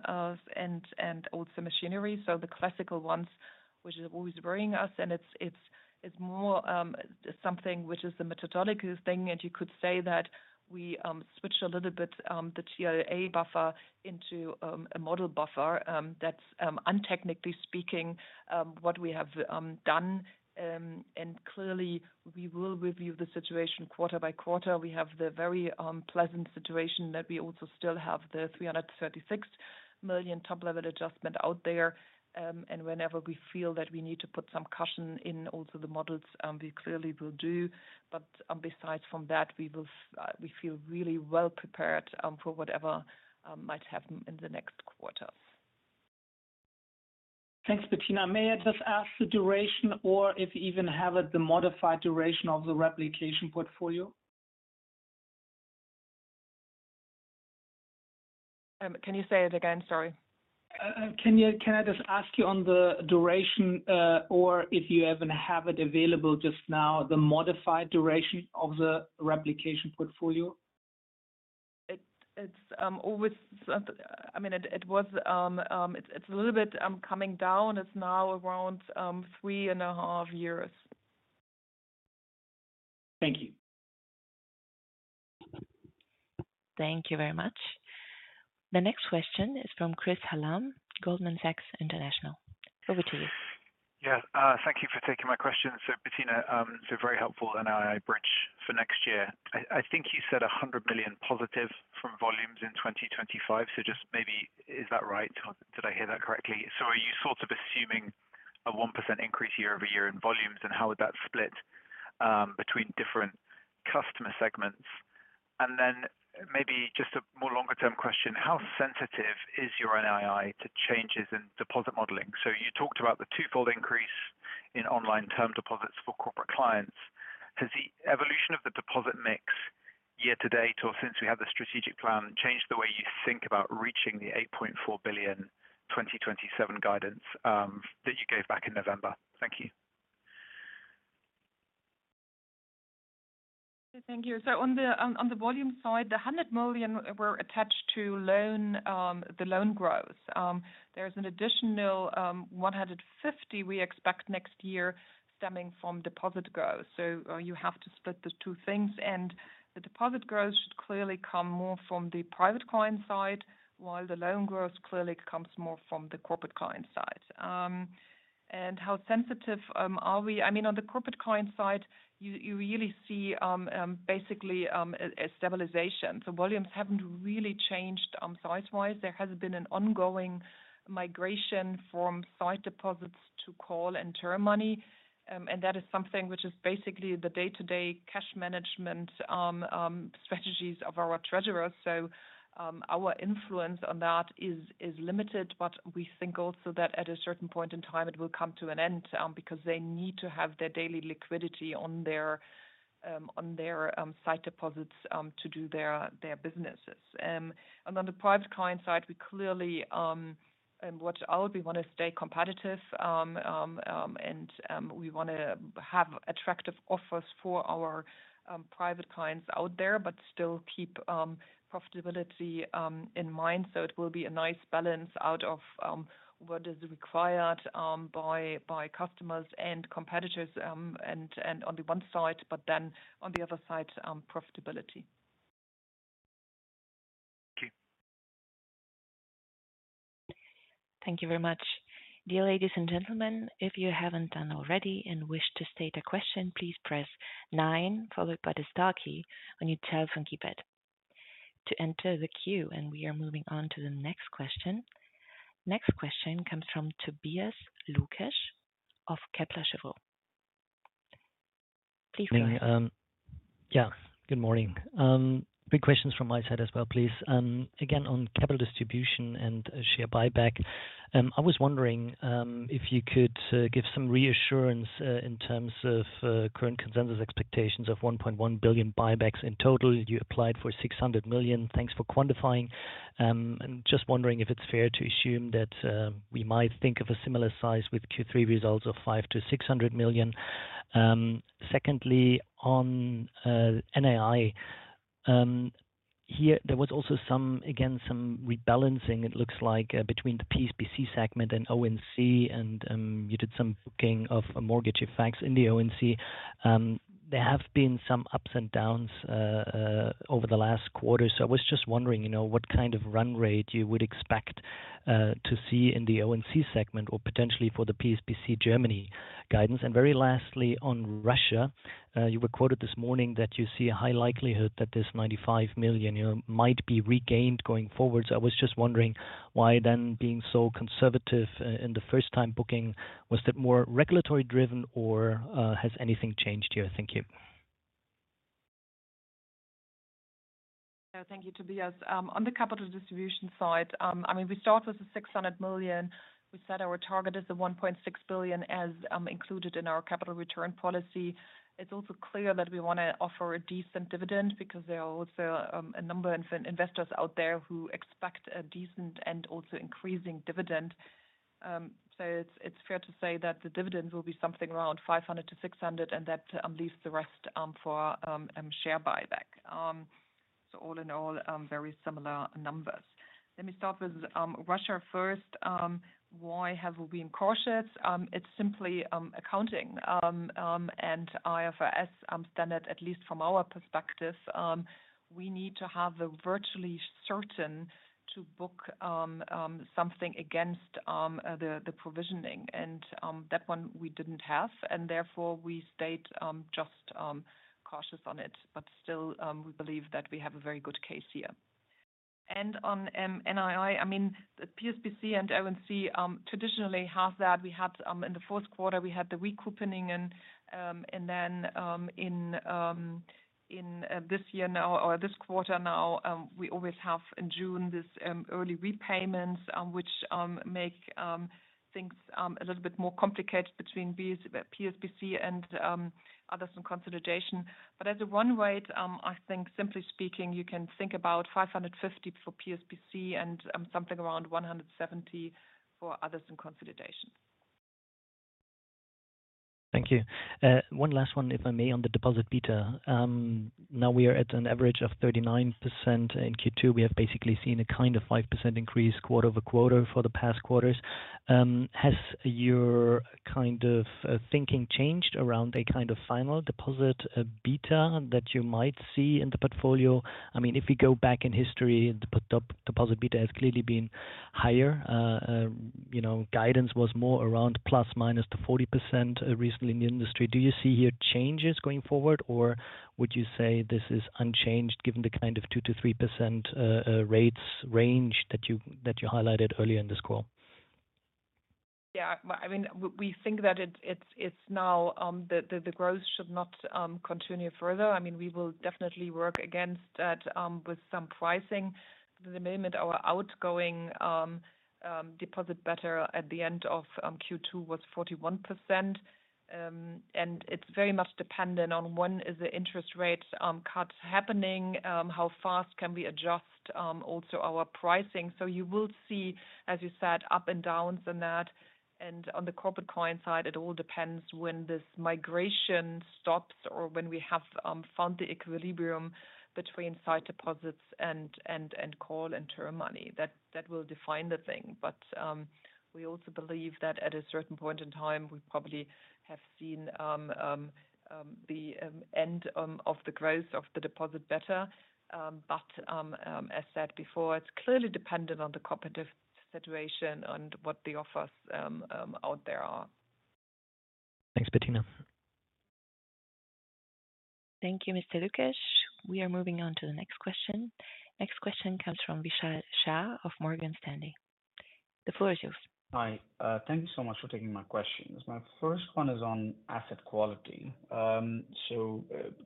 and also machinery. So the classical ones, which is always worrying us, and it's more something which is the methodologic thing. And you could say that we switched a little bit the TLA buffer into a model buffer, that's untechnically speaking what we have done. And clearly, we will review the situation quarter by quarter. We have the very pleasant situation that we also still have the 336 million Top-Level Adjustment out there. And whenever we feel that we need to put some caution in also the models, we clearly will do. But besides from that, we will we feel really well prepared for whatever might happen in the next quarter. Thanks, Bettina. May I just ask the duration or if you even have it, the modified duration of the Replication Portfolio? Can you say it again? Sorry. Can I just ask you on the duration, or if you even have it available just now, the modified duration of the Replication Portfolio? It's always, I mean, it was, it's a little bit coming down. It's now around 3.5 years. Thank you. Thank you very much. The next question is from Chris Hallam, Goldman Sachs International. Over to you. Yeah, thank you for taking my question. So, Bettina, so very helpful, NII bridge for next year. I think you said 100 million positive from volumes in 2025. So just maybe, is that right? Did I hear that correctly? So are you sort of assuming a 1% increase year-over-year in volumes, and how would that split between different customer segments? And then maybe just a more longer-term question, how sensitive is your NII to changes in deposit modeling? So you talked about the twofold increase in online term deposits for corporate clients. Has the evolution of the deposit mix year-to-date, or since we had the strategic plan, changed the way you think about reaching the 8.4 billion 2027 guidance that you gave back in November? Thank you. Thank you. So on the volume side, the 100 million were attached to the loan growth. There's an additional 150 million we expect next year stemming from deposit growth. So you have to split the two things, and the deposit growth should clearly come more from the private client side, while the loan growth clearly comes more from the corporate client side. And how sensitive are we? I mean, on the corporate client side, you really see basically a stabilization. So volumes haven't really changed size-wise. There has been an ongoing migration from sight deposits to call and term money, and that is something which is basically the day-to-day cash management strategies of our treasurers. So, our influence on that is limited, but we think also that at a certain point in time, it will come to an end, because they need to have their daily liquidity on their sight deposits to do their businesses. And on the private client side, we clearly and watch out, we want to stay competitive, and we want to have attractive offers for our private clients out there, but still keep profitability in mind. So it will be a nice balance out of what is required by customers and competitors, and on the one side, but then on the other side, profitability. Thank you. Thank you very much. Dear ladies and gentlemen, if you haven't done already and wish to state a question, please press nine, followed by the star key on your telephone keypad to enter the queue, and we are moving on to the next question. Next question comes from Tobias Lukesch of Kepler Cheuvreux. Please go ahead. Yeah, good morning. Three questions from my side as well, please. Again, on capital distribution and share buyback. I was wondering if you could give some reassurance in terms of current consensus expectations of 1.1 billion buybacks in total. You applied for 600 million. Thanks for quantifying. I'm just wondering if it's fair to assume that we might think of a similar size with Q3 results of 500 million-600 million. Secondly, on NII. Here there was also some, again, some rebalancing, it looks like, between the PSBC segment and O&C, and you did some booking of mortgage effects in the O&C. There have been some ups and downs over the last quarter, so I was just wondering, you know, what kind of run rate you would expect to see in the O&C segment or potentially for the PSBC Germany guidance. And very lastly, on Russia, you were quoted this morning that you see a high likelihood that this 95 million, you know, might be regained going forward. So I was just wondering why then being so conservative in the first-time booking, was that more regulatory driven or, has anything changed here? Thank you. Yeah, thank you, Tobias. On the capital distribution side, I mean, we start with the 600 million. We said our target is the 1.6 billion as included in our capital return policy. It's also clear that we want to offer a decent dividend because there are also a number of investors out there who expect a decent and also increasing dividend. So it's fair to say that the dividends will be something around 500 million-600 million, and that leaves the rest for share buyback. So all in all, very similar numbers. Let me start with Russia first. Why have we been cautious? It's simply accounting. And IFRS standard, at least from our perspective, we need to have a virtually certain to book something against the provisioning. And that one we didn't have, and therefore we stayed just cautious on it. But still, we believe that we have a very good case here. And on NII, I mean, the PSBC and NCI traditionally have that. We had in the fourth quarter, we had the recoupling and then in this year now or this quarter now, we always have in June this early repayments, which make things a little bit more complicated between these PSBC and others in consolidation. As a run rate, I think simply speaking, you can think about 550 for PSBC and something around 170 for others in consolidation. Thank you. One last one, if I may, on the deposit beta. Now we are at an average of 39% in Q2. We have basically seen a kind of 5% increase quarter-over-quarter for the past quarters. Has your kind of thinking changed around a kind of final deposit beta that you might see in the portfolio? I mean, if you go back in history, the deposit beta has clearly been higher. You know, guidance was more around ±40% recently in the industry. Do you see here changes going forward, or would you say this is unchanged given the kind of 2%-3% rates range that you highlighted earlier in this call? Yeah, well, I mean, we think that it's now the growth should not continue further. I mean, we will definitely work against that with some pricing. At the moment, our outgoing deposit beta at the end of Q2 was 41%. And it's very much dependent on when is the interest rate cuts happening, how fast can we adjust also our pricing? So you will see, as you said, up and downs in that. And on the corporate client side, it all depends when this migration stops or when we have found the equilibrium between sight deposits and call and term money, that will define the thing. But, we also believe that at a certain point in time, we probably have seen the end of the growth of the deposit beta. But, as said before, it's clearly dependent on the competitive situation and what the offers out there are. Thanks, Bettina. Thank you, Mr. Lukesch. We are moving on to the next question. Next question comes from Vishal Shah of Morgan Stanley. The floor is yours. Hi. Thank you so much for taking my questions. My first one is on asset quality. So,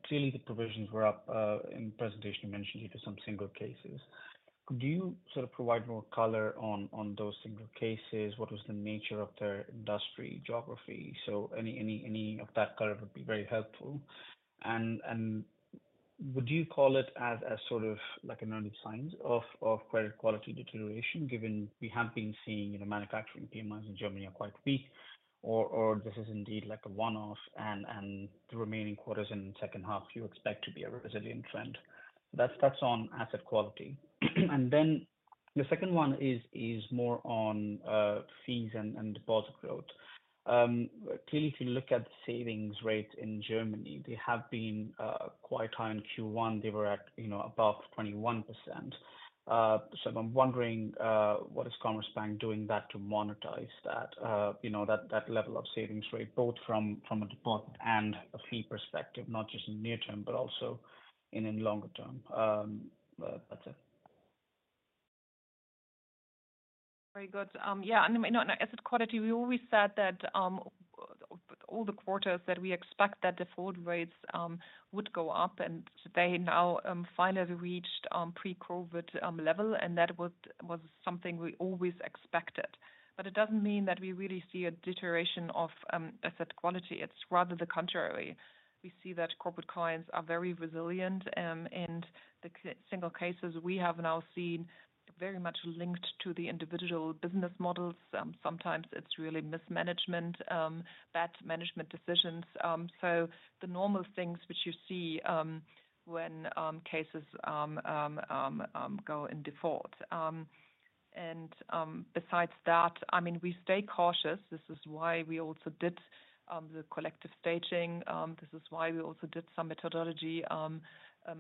clearly the provisions were up, in presentation, you mentioned due to some single cases. Could you sort of provide more color on those single cases? What was the nature of their industry geography? So any of that color would be very helpful. And would you call it as a sort of like an early signs of credit quality deterioration, given we have been seeing, you know, manufacturing PMIs in Germany are quite weak, or this is indeed like a one-off and the remaining quarters in the second half, you expect to be a resilient trend. That's on asset quality. And then the second one is more on fees and deposit growth. Clearly, if you look at the savings rate in Germany, they have been quite high. In Q1, they were at, you know, above 21%. So I'm wondering, what is Commerzbank doing that to monetize that, you know, that level of savings rate, both from a deposit and a fee perspective, not just in near term, but also in longer term? That's it. Very good. Yeah, and no, asset quality, we always said that all the quarters that we expect that default rates would go up, and they now finally reached pre-COVID level, and that was something we always expected. But it doesn't mean that we really see a deterioration of asset quality. It's rather the contrary. We see that corporate clients are very resilient, and the single cases we have now seen very much linked to the individual business models. Sometimes it's really mismanagement, bad management decisions. So the normal things which you see when cases go in default. And besides that, I mean, we stay cautious. This is why we also did the collective staging. This is why we also did some methodology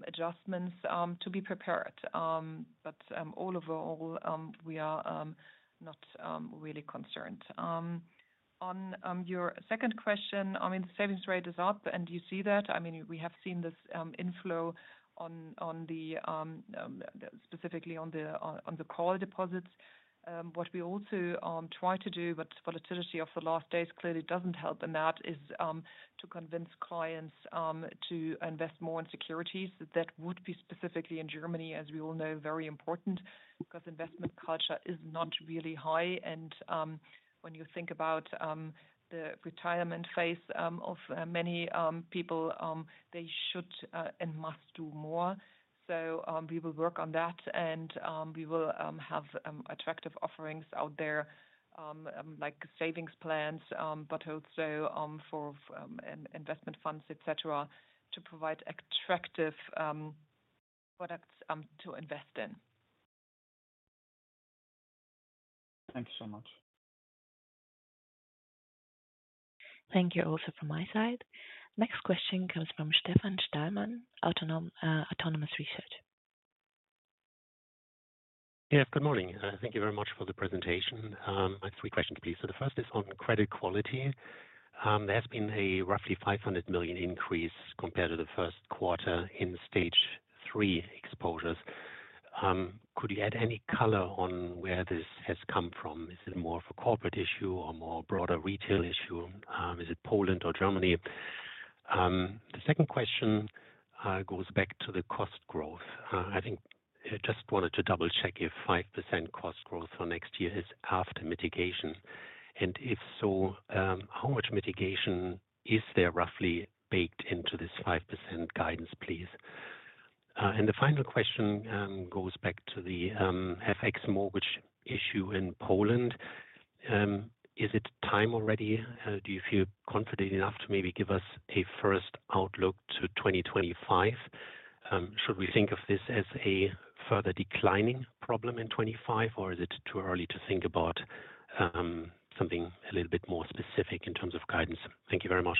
adjustments to be prepared. But all overall, we are not really concerned. On your second question, I mean, the savings rate is up, and you see that. I mean, we have seen this inflow specifically on the core deposits. What we also try to do, but volatility of the last days clearly doesn't help, and that is to convince clients to invest more in securities. That would be specifically in Germany, as we all know, very important, because investment culture is not really high. And when you think about the retirement phase of many people, they should and must do more. So, we will work on that, and we will have attractive offerings out there, like savings plans, but also for investment funds, et cetera, to provide attractive products to invest in. Thank you so much. Thank you also from my side. Next question comes from Stefan Stalmann, Autonomous Research. Yeah, good morning. Thank you very much for the presentation. I have three questions, please. So the first is on credit quality. There has been a roughly 500 million increase compared to the first quarter in stage III exposures. Could you add any color on where this has come from? Is it more of a corporate issue or more broader retail issue? Is it Poland or Germany? The second question goes back to the cost growth. I think I just wanted to double-check if 5% cost growth for next year is after mitigation, and if so, how much mitigation is there roughly baked into this 5% guidance, please? And the final question goes back to the FX mortgage issue in Poland. Is it time already? Do you feel confident enough to maybe give us a first outlook to 2025? Should we think of this as a further declining problem in 2025, or is it too early to think about something a little bit more specific in terms of guidance? Thank you very much.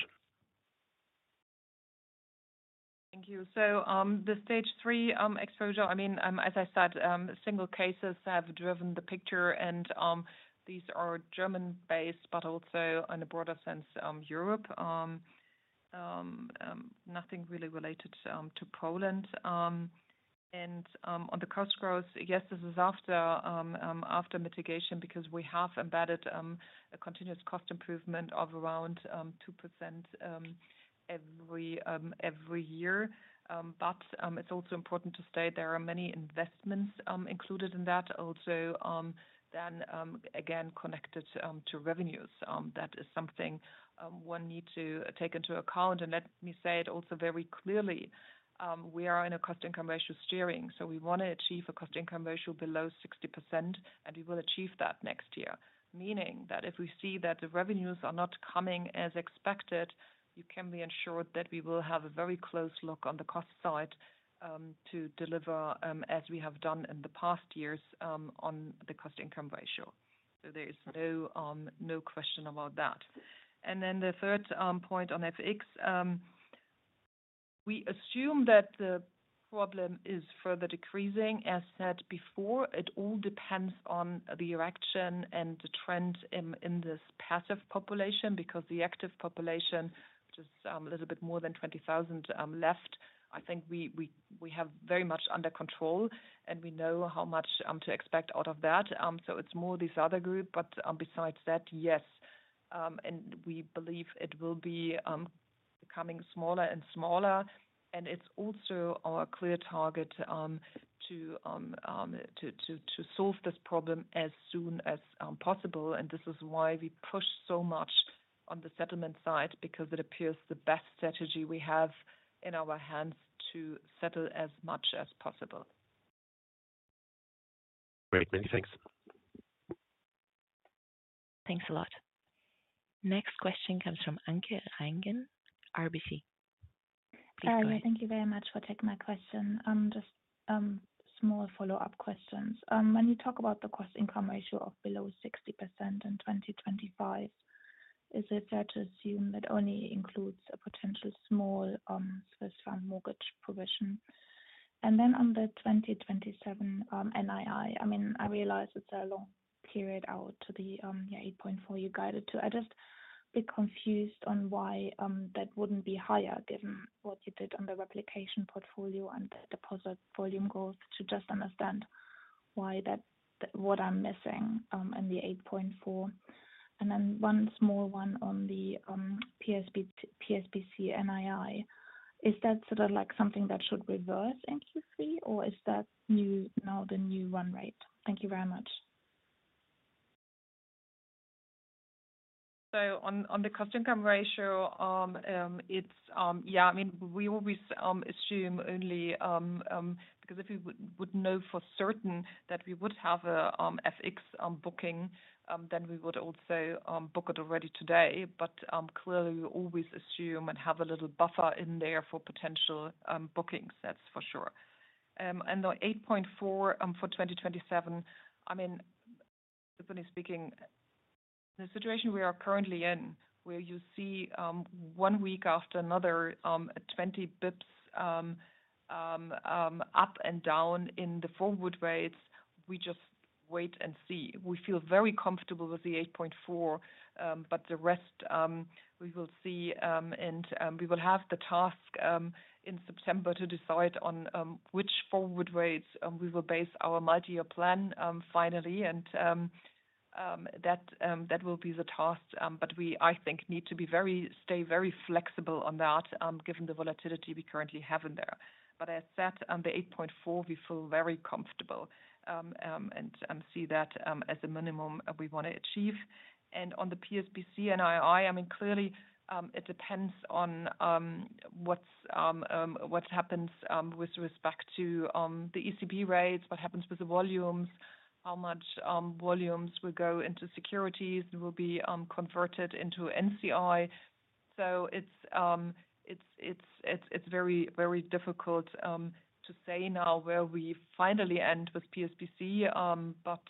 Thank you. So, the stage III exposure, I mean, as I said, single cases have driven the picture and these are German-based, but also in a broader sense, Europe. Nothing really related to Poland. And on the cost growth, yes, this is after mitigation, because we have embedded a continuous cost improvement of around 2% every year. But it's also important to state there are many investments included in that also, then again, connected to revenues. That is something one need to take into account. And let me say it also very clearly, we are in a cost-income ratio steering, so we want to achieve a cost-income ratio below 60%, and we will achieve that next year. Meaning that if we see that the revenues are not coming as expected, you can be assured that we will have a very close look on the cost side, to deliver, as we have done in the past years, on the cost-income ratio. So there is no, no question about that. And then the third, point on FX, we assume that the problem is further decreasing. As said before, it all depends on the reaction and the trend in this passive population, because the active population, which is a little bit more than 20,000, left, I think we have very much under control, and we know how much to expect out of that. So it's more this other group, but, besides that, yes, and we believe it will be becoming smaller and smaller, and it's also our clear target to solve this problem as soon as possible. And this is why we push so much on the settlement side, because it appears the best strategy we have in our hands to settle as much as possible. Great. Many thanks. Thanks a lot. Next question comes from Anke Reingen, RBC. Please go ahead. Hi, thank you very much for taking my question. Just small follow-up questions. When you talk about the cost-income ratio of below 60% in 2025, is it fair to assume that only includes a potential small Swiss franc mortgage provision? And then on the 2027 NII, I mean, I realize it's a long period out to the, yeah, 8.4 billion you guided to. I'm just a bit confused on why that wouldn't be higher, given what you did on the replication portfolio and the deposit volume growth, to just understand why that—what I'm missing in the 8.4 billion. And then one small one on the PSBC NII. Is that sort of, like, something that should reverse in Q3, or is that new, now the new run rate? Thank you very much. On the cost-income ratio, yeah, I mean, we always assume only... Because if we would know for certain that we would have a FX booking, then we would also book it already today. But clearly, we always assume and have a little buffer in there for potential bookings. That's for sure. And the 8.4 billion for 2027, I mean, simply speaking, the situation we are currently in, where you see one week after another at 20 bps up and down in the forward rates, we just wait and see. We feel very comfortable with the 8.4 billion, but the rest we will see, and we will have the task in September to decide on which forward rates we will base our multi-year plan finally, and that will be the task. But we, I think, need to stay very flexible on that, given the volatility we currently have in there. But as said, on the 8.4 billion, we feel very comfortable, and see that as a minimum we want to achieve. And on the PSBC NII, I mean, clearly, it depends on what happens with respect to the ECB rates, what happens with the volumes, how much volumes will go into securities, will be converted into NCI. It's very, very difficult to say now where we finally end with PSBC. But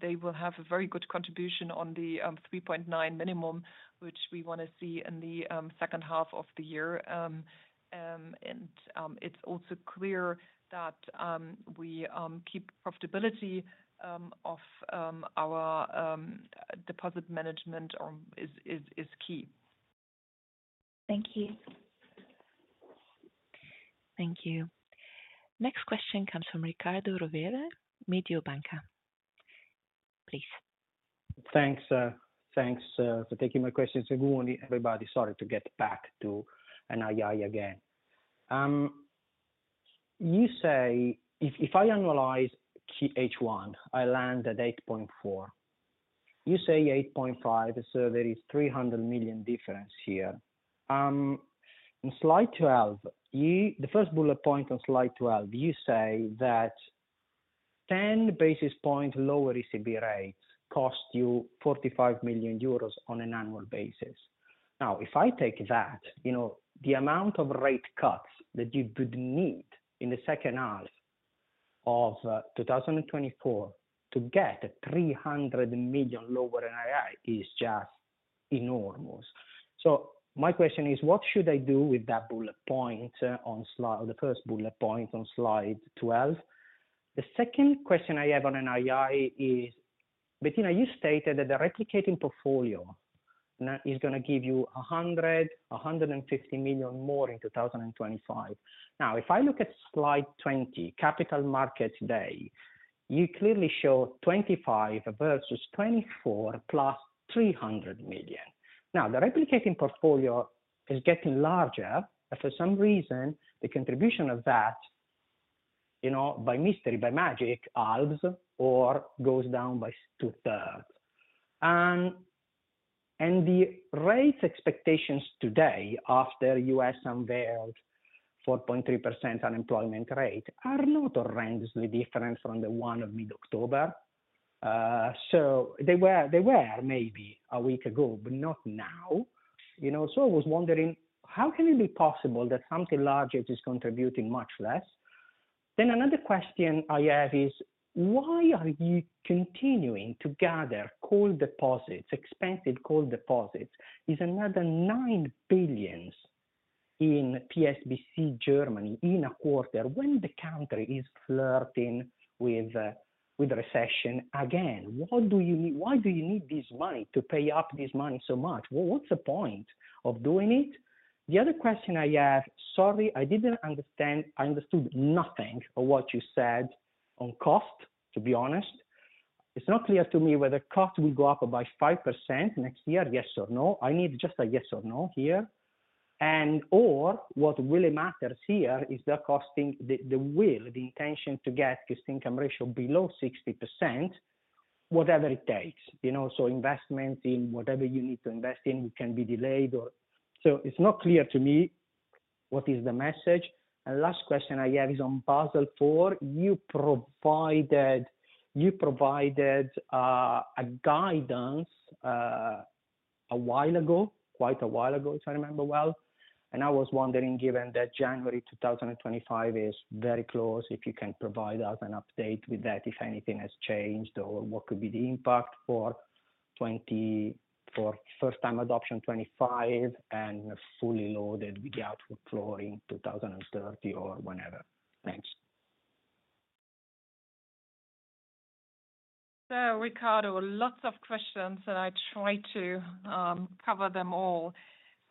they will have a very good contribution on the 3.9 minimum, which we want to see in the second half of the year. And it's also clear that we keep profitability of our deposit management is key. Thank you. Thank you. Next question comes from Riccardo Rovere, Mediobanca. Please. Thanks, thanks, for taking my question. So good morning, everybody. Sorry to get back to NII again. You say if, if I annualize Q1, I land at 8.4 billion. You say 8.5 billion, so there is 300 million difference here. In slide 12, the first bullet point on slide 12, you say that 10 basis points lower ECB rates cost you 45 million euros on an annual basis. Now, if I take that, you know, the amount of rate cuts that you would need in the second half of 2024 to get 300 million lower NII is just enormous. So my question is: What should I do with that bullet point on slide 12? The first bullet point on slide 12? The second question I have on NII is, Bettina, you stated that the replicating portfolio now is gonna give you 100 million-150 million more in 2025. Now, if I look at slide 20, Capital Markets Day, you clearly show 2025 versus 2024 +300 million. Now, the replicating portfolio is getting larger, but for some reason, the contribution of that, you know, by mystery, by magic, halves or goes down by two-thirds. And, and the rate expectations today, after U.S. unveiled 4.3% unemployment rate, are not horrendously different from the one of mid-October. So they were, they were maybe a week ago, but not now. You know, so I was wondering, how can it be possible that something larger is contributing much less? Then another question I have is: Why are you continuing to gather call deposits, expensive call deposits, is another 9 billion in PSBC, Germany, in a quarter, when the country is flirting with recession again? What do you need—Why do you need this money, to pay up this money so much? What's the point of doing it? The other question I have, sorry, I didn't understand. I understood nothing of what you said on cost, to be honest. It's not clear to me whether cost will go up by 5% next year, yes or no? I need just a yes or no here. And, or what really matters here is the costing, the will, the intention to get this income ratio below 60%, whatever it takes. You know, so investments in whatever you need to invest in can be delayed or... So it's not clear to me... What is the message? And last question I have is on Basel IV. You provided a guidance a while ago, quite a while ago, if I remember well. And I was wondering, given that January 2025 is very close, if you can provide us an update with that, if anything has changed, or what could be the impact for 2025 for first time adoption 2025 and fully loaded with the output floor in 2030, or whenever? Thanks. So Ricardo, lots of questions, and I try to cover them all.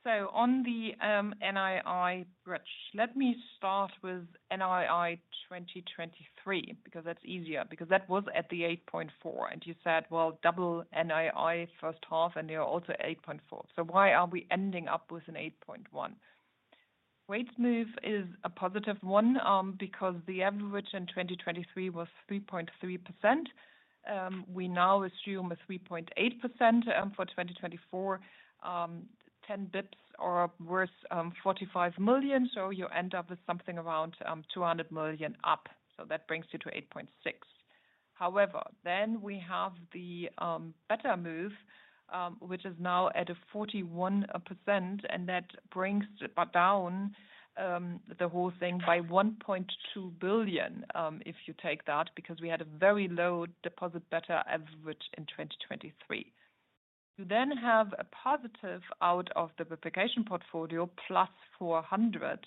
So on the NII bridge, let me start with NII 2023, because that's easier, because that was at the 8.4 billion, and you said, well, double NII first half, and you're also 8.4 billion. So why are we ending up with an 8.1 billion? Rate move is a positive one, because the average in 2023 was 3.3%. We now assume a 3.8%, for 2024, 10 basis points are worth 45 million, so you end up with something around 200 million up. So that brings you to 8.6 billion. However, then we have the beta move, which is now at 41%, and that brings down the whole thing by 1.2 billion, if you take that, because we had a very low deposit beta average in 2023. You then have a positive out of the replication portfolio, +400 million.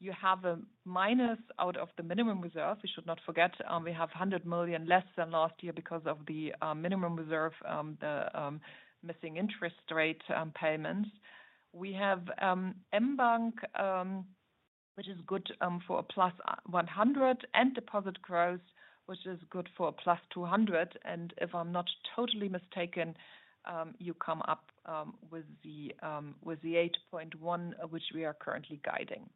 You have a minus out of the minimum reserve. We should not forget, we have 100 million less than last year because of the minimum reserve, the missing interest rate payments. We have mBank, which is good for a +100 million, and deposit growth, which is good for a +200 million. And if I'm not totally mistaken, you come up with the 8.1 billion, which we are currently guiding.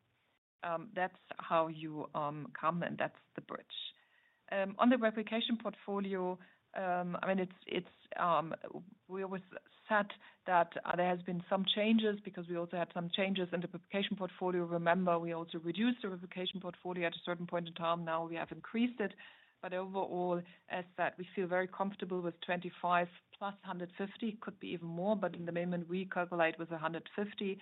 That's how you come, and that's the bridge. On the Replication Portfolio, I mean, it's, we always said that there has been some changes because we also had some changes in the Replication Portfolio. Remember, we also reduced the Replication Portfolio at a certain point in time. Now we have increased it, but overall, as that, we feel very comfortable with 2025 +150 million, could be even more, but at the moment, we calculate with 150 million,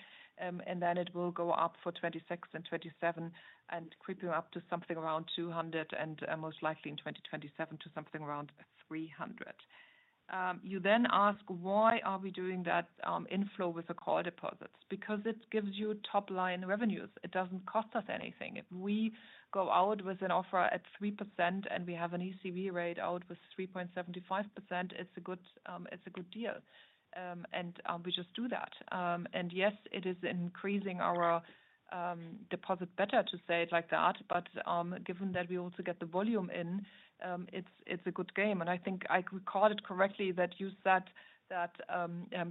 and then it will go up for 2026 and 2027 and creeping up to something around 200 million and, most likely in 2027 to something around 300 million. You then ask, why are we doing that, inflow with the core deposits? Because it gives you top-line revenues. It doesn't cost us anything. If we go out with an offer at 3% and we have an ECB rate out with 3.75%, it's a good, it's a good deal. And, we just do that. And yes, it is increasing our, deposit beta to say it like that, but, given that we also get the volume in, it's, it's a good game. And I think I recall it correctly that you said that,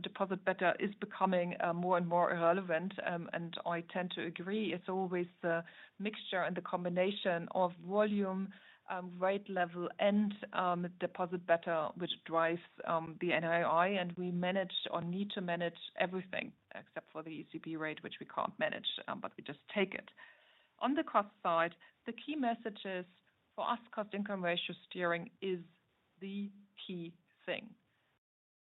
deposit beta is becoming, more and more irrelevant, and I tend to agree. It's always the mixture and the combination of volume, rate level and, deposit beta, which drives, the NII, and we manage or need to manage everything, except for the ECB rate, which we can't manage, but we just take it. On the cost side, the key message is, for us, cost-income ratio steering is the key thing.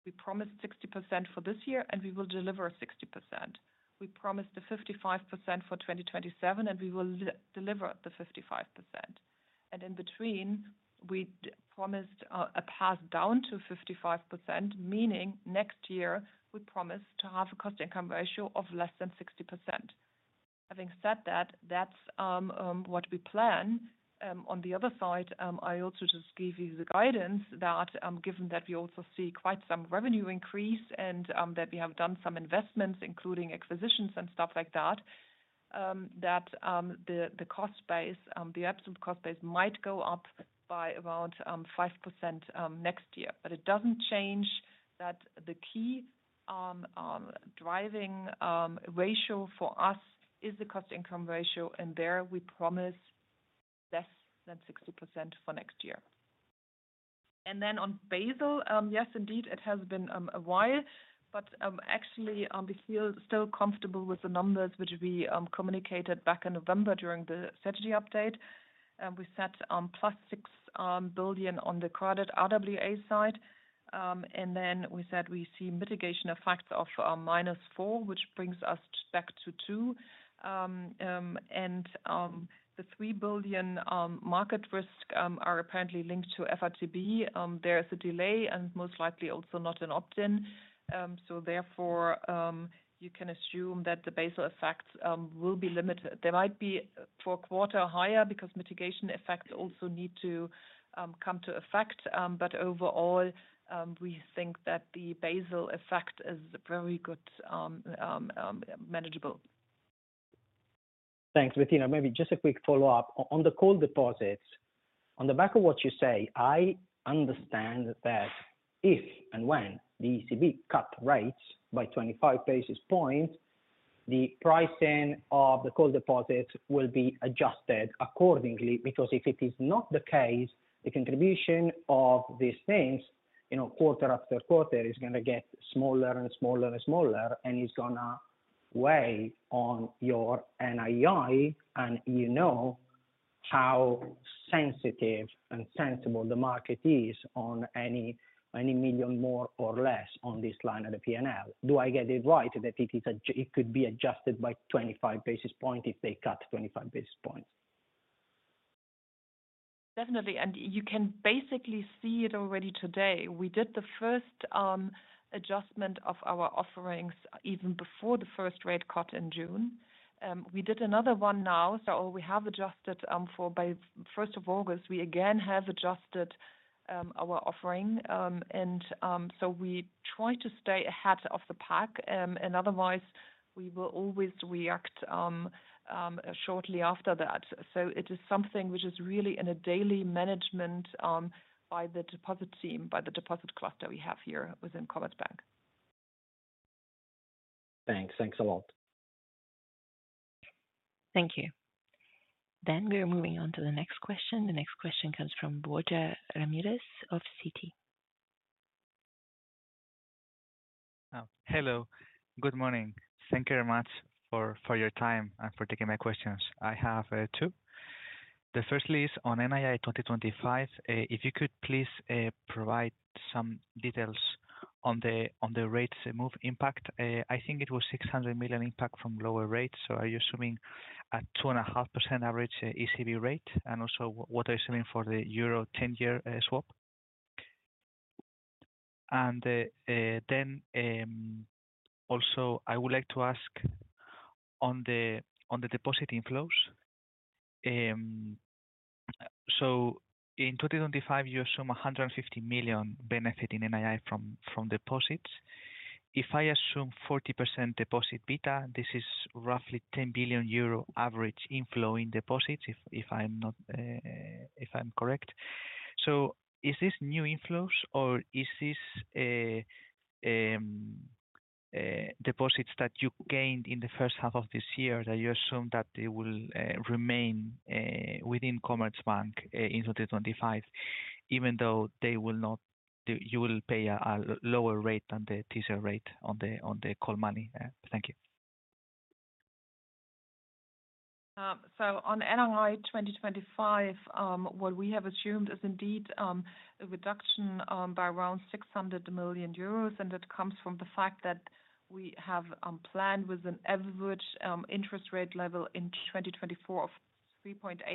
We promised 60% for this year, and we will deliver 60%. We promised the 55% for 2027, and we will deliver the 55%. And in between, we promised a path down to 55%, meaning next year, we promise to have a cost-income ratio of less than 60%. Having said that, that's what we plan. On the other side, I also just gave you the guidance that, given that we also see quite some revenue increase and that we have done some investments, including acquisitions and stuff like that, that the cost base, the absolute cost base might go up by around 5% next year. But it doesn't change that the key driving ratio for us is the cost-income ratio, and there we promise less than 60% for next year. Then on Basel, yes, indeed, it has been a while, but actually, we feel still comfortable with the numbers which we communicated back in November during the strategy update. We set +6 billion on the credit RWA side. Then we said we see mitigation effects of -4 billion, which brings us back to 2 billion. And the 3 billion market risk are apparently linked to FRTB. There is a delay and most likely also not an opt-in. So therefore, you can assume that the Basel effects will be limited. There might be for a quarter higher because mitigation effects also need to come to effect. But overall, we think that the Basel effect is very good, manageable. Thanks, Bettina. Maybe just a quick follow-up. On the call deposits, on the back of what you say, I understand that if and when the ECB cut rates by 25 basis points, the pricing of the call deposits will be adjusted accordingly. Because if it is not the case, the contribution of these things, you know, quarter-after-quarter is gonna get smaller and smaller and smaller, and it's gonna weigh on your NII, and you know how sensitive and sensible the market is on any, any million more or less on this line of the P&L. Do I get it right, that it could be adjusted by 25 basis point if they cut 25 basis points? Definitely. You can basically see it already today. We did the first adjustment of our offerings even before the first rate cut in June. We did another one now, so we have adjusted. By the August 1st, we again have adjusted our offering. So we try to stay ahead of the pack, and otherwise we will always react shortly after that. So it is something which is really in a daily management by the deposit team, by the deposit cluster we have here within Commerzbank. Thanks. Thanks a lot. Thank you. Then we are moving on to the next question. The next question comes from Borja Ramirez of Citi. Hello. Good morning. Thank you very much for your time and for taking my questions. I have two. The first is on NII 2025. If you could please provide some details on the rates move impact. I think it was 600 million impact from lower rates. So are you assuming a 2.5% average ECB rate? And also, what are you assuming for the euro 10-year swap? And then also, I would like to ask on the deposit inflows. So in 2025, you assume a 150 million benefit in NII from deposits. If I assume 40% deposit beta, this is roughly 10 billion euro average inflow in deposits, if—if I'm correct. So is this new inflows or is this deposits that you gained in the first half of this year, that you assume that they will remain within Commerzbank in 2025, even though they will not... You will pay a lower rate than the teaser rate on the call money? Thank you. So on NII 2025, what we have assumed is indeed a reduction by around 600 million euros, and that comes from the fact that we have planned with an average interest rate level in 2024 of 3.8%,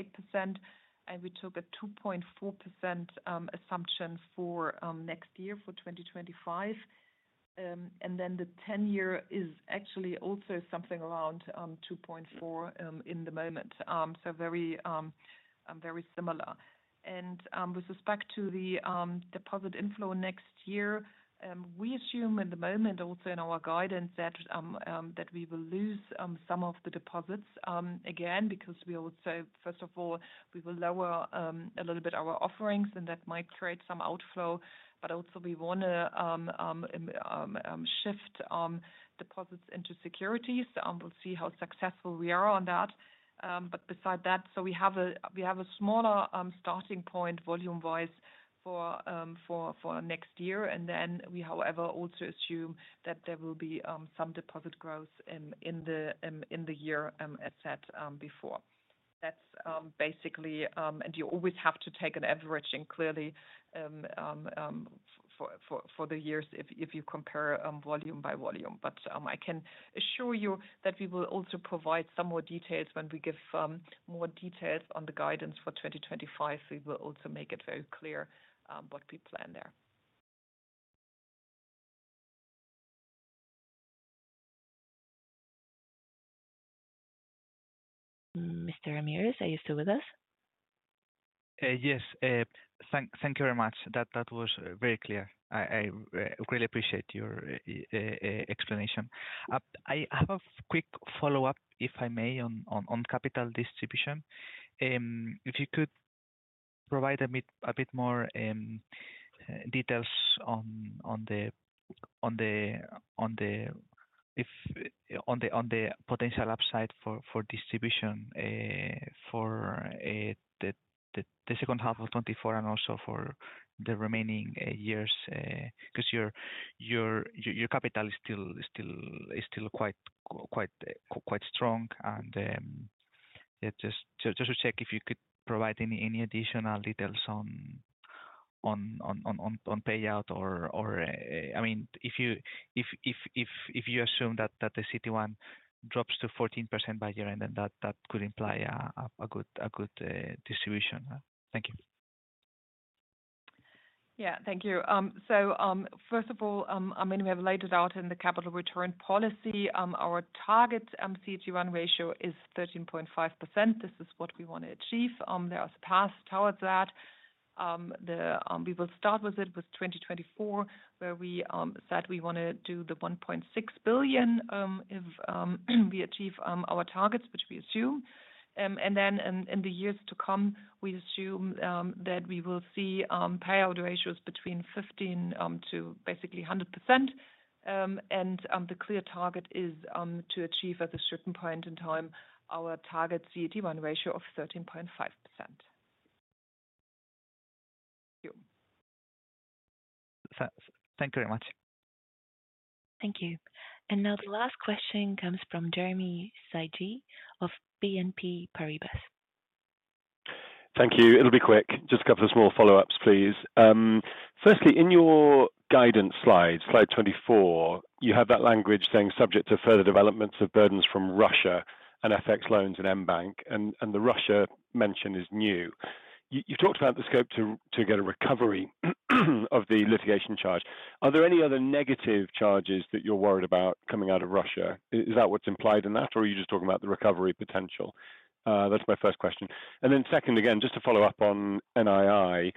and we took a 2.4% assumption for next year, for 2025. And then the 10-year is actually also something around 2.4 in the moment. So very very similar. With respect to the deposit inflow next year, we assume at the moment, also in our guidance, that we will lose some of the deposits again, because we also, first of all, will lower a little bit our offerings, and that might create some outflow, but also we want to shift deposits into securities. We'll see how successful we are on that. But besides that, so we have a smaller starting point, volume-wise, for next year. And then we, however, also assume that there will be some deposit growth in the year, as said before. That's basically and you always have to take an average and clearly for the years if you compare volume by volume. But I can assure you that we will also provide some more details when we give more details on the guidance for 2025. We will also make it very clear what we plan there. Mr. Ramirez, are you still with us? Yes. Thank you very much. That was very clear. I really appreciate your explanation. I have a quick follow-up, if I may, on capital distribution. If you could provide a bit more details on the potential upside for distribution for the second half of 2024 and also for the remaining years because your capital is still quite strong. Just to check if you could provide any additional details on payout or I mean, if you assume that the CET1 drops to 14% by year-end, then that could imply a good distribution. Thank you. Yeah. Thank you. So, first of all, I mean, we have laid it out in the capital return policy. Our target CET1 ratio is 13.5%. This is what we want to achieve. There are paths towards that. We will start with it with 2024, where we said we want to do the 1.6 billion, if we achieve our targets, which we assume. And then in the years to come, we assume that we will see payout ratios between 15% to basically 100% and the clear target is to achieve at a certain point in time our target CET1 ratio of 13.5%. Thank you. Thank you very much. Thank you. And now the last question comes from Jeremy Sigee of BNP Paribas. Thank you. It'll be quick. Just a couple of small follow-ups, please. Firstly, in your guidance slide, slide 24, you have that language saying, subject to further developments of burdens from Russia and FX loans and mBank, and the Russia mention is new. You talked about the scope to get a recovery, of the litigation charge. Are there any other negative charges that you're worried about coming out of Russia? Is that what's implied in that, or are you just talking about the recovery potential? That's my first question. Then second, again, just to follow up on NII.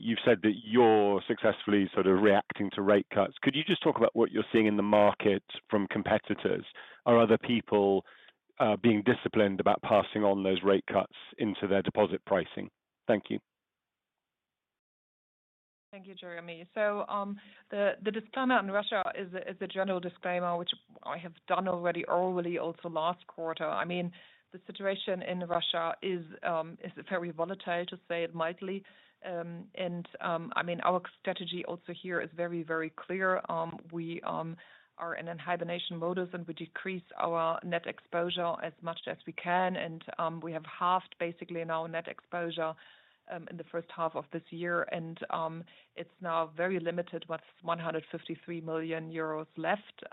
You've said that you're successfully sort of reacting to rate cuts. Could you just talk about what you're seeing in the market from competitors? Are other people being disciplined about passing on those rate cuts into their deposit pricing? Thank you. Thank you, Jeremy. So, the disclaimer on Russia is a general disclaimer, which I have done already, orally, also last quarter. I mean, the situation in Russia is very volatile, to say it mildly. I mean, our strategy also here is very, very clear. We are in hibernation mode, and we decrease our net exposure as much as we can. We have halved, basically, now our net exposure in the first half of this year, and it's now very limited, with 153 million euros left.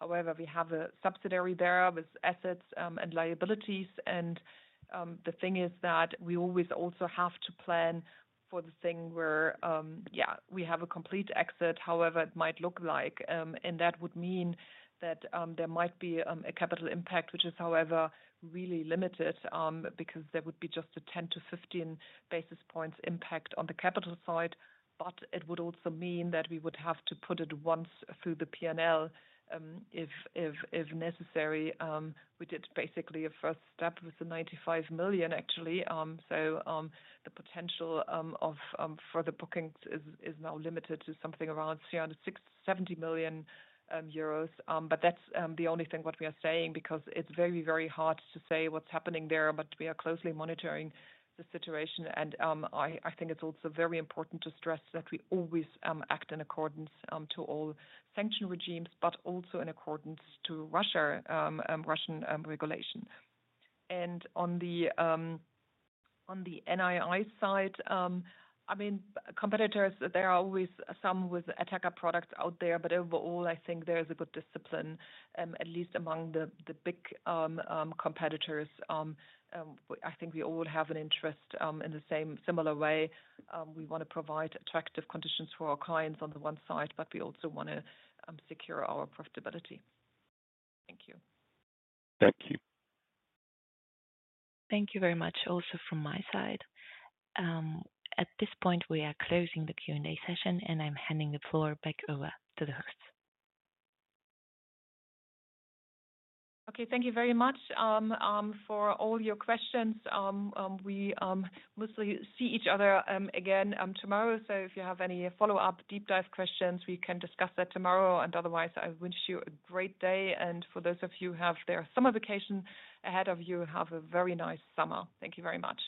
However, we have a subsidiary there with assets and liabilities, and the thing is that we always also have to plan for the thing where we have a complete exit, however it might look like. And that would mean that there might be a capital impact, which is, however, really limited, because there would be just a 10 basis points-15 basis points impact on the capital side. But it would also mean that we would have to put it once through the P&L, if necessary. We did basically a first step with the 95 million, actually. So, the potential for the bookings is now limited to something around 367 million euros. But that's the only thing what we are saying, because it's very, very hard to say what's happening there, but we are closely monitoring the situation. I think it's also very important to stress that we always act in accordance to all sanction regimes, but also in accordance to Russian regulation. On the NII side, I mean, competitors, there are always some with attractive products out there, but overall, I think there is a good discipline, at least among the big competitors. I think we all have an interest in the same similar way. We want to provide attractive conditions for our clients on the one side, but we also want to secure our profitability. Thank you. Thank you. Thank you very much, also from my side. At this point, we are closing the Q&A session, and I'm handing the floor back over to the hosts. Okay, thank you very much, for all your questions. We mostly see each other, again, tomorrow. So if you have any follow-up, deep dive questions, we can discuss that tomorrow. And otherwise, I wish you a great day. And for those of you who have their summer vacation ahead of you, have a very nice summer. Thank you very much.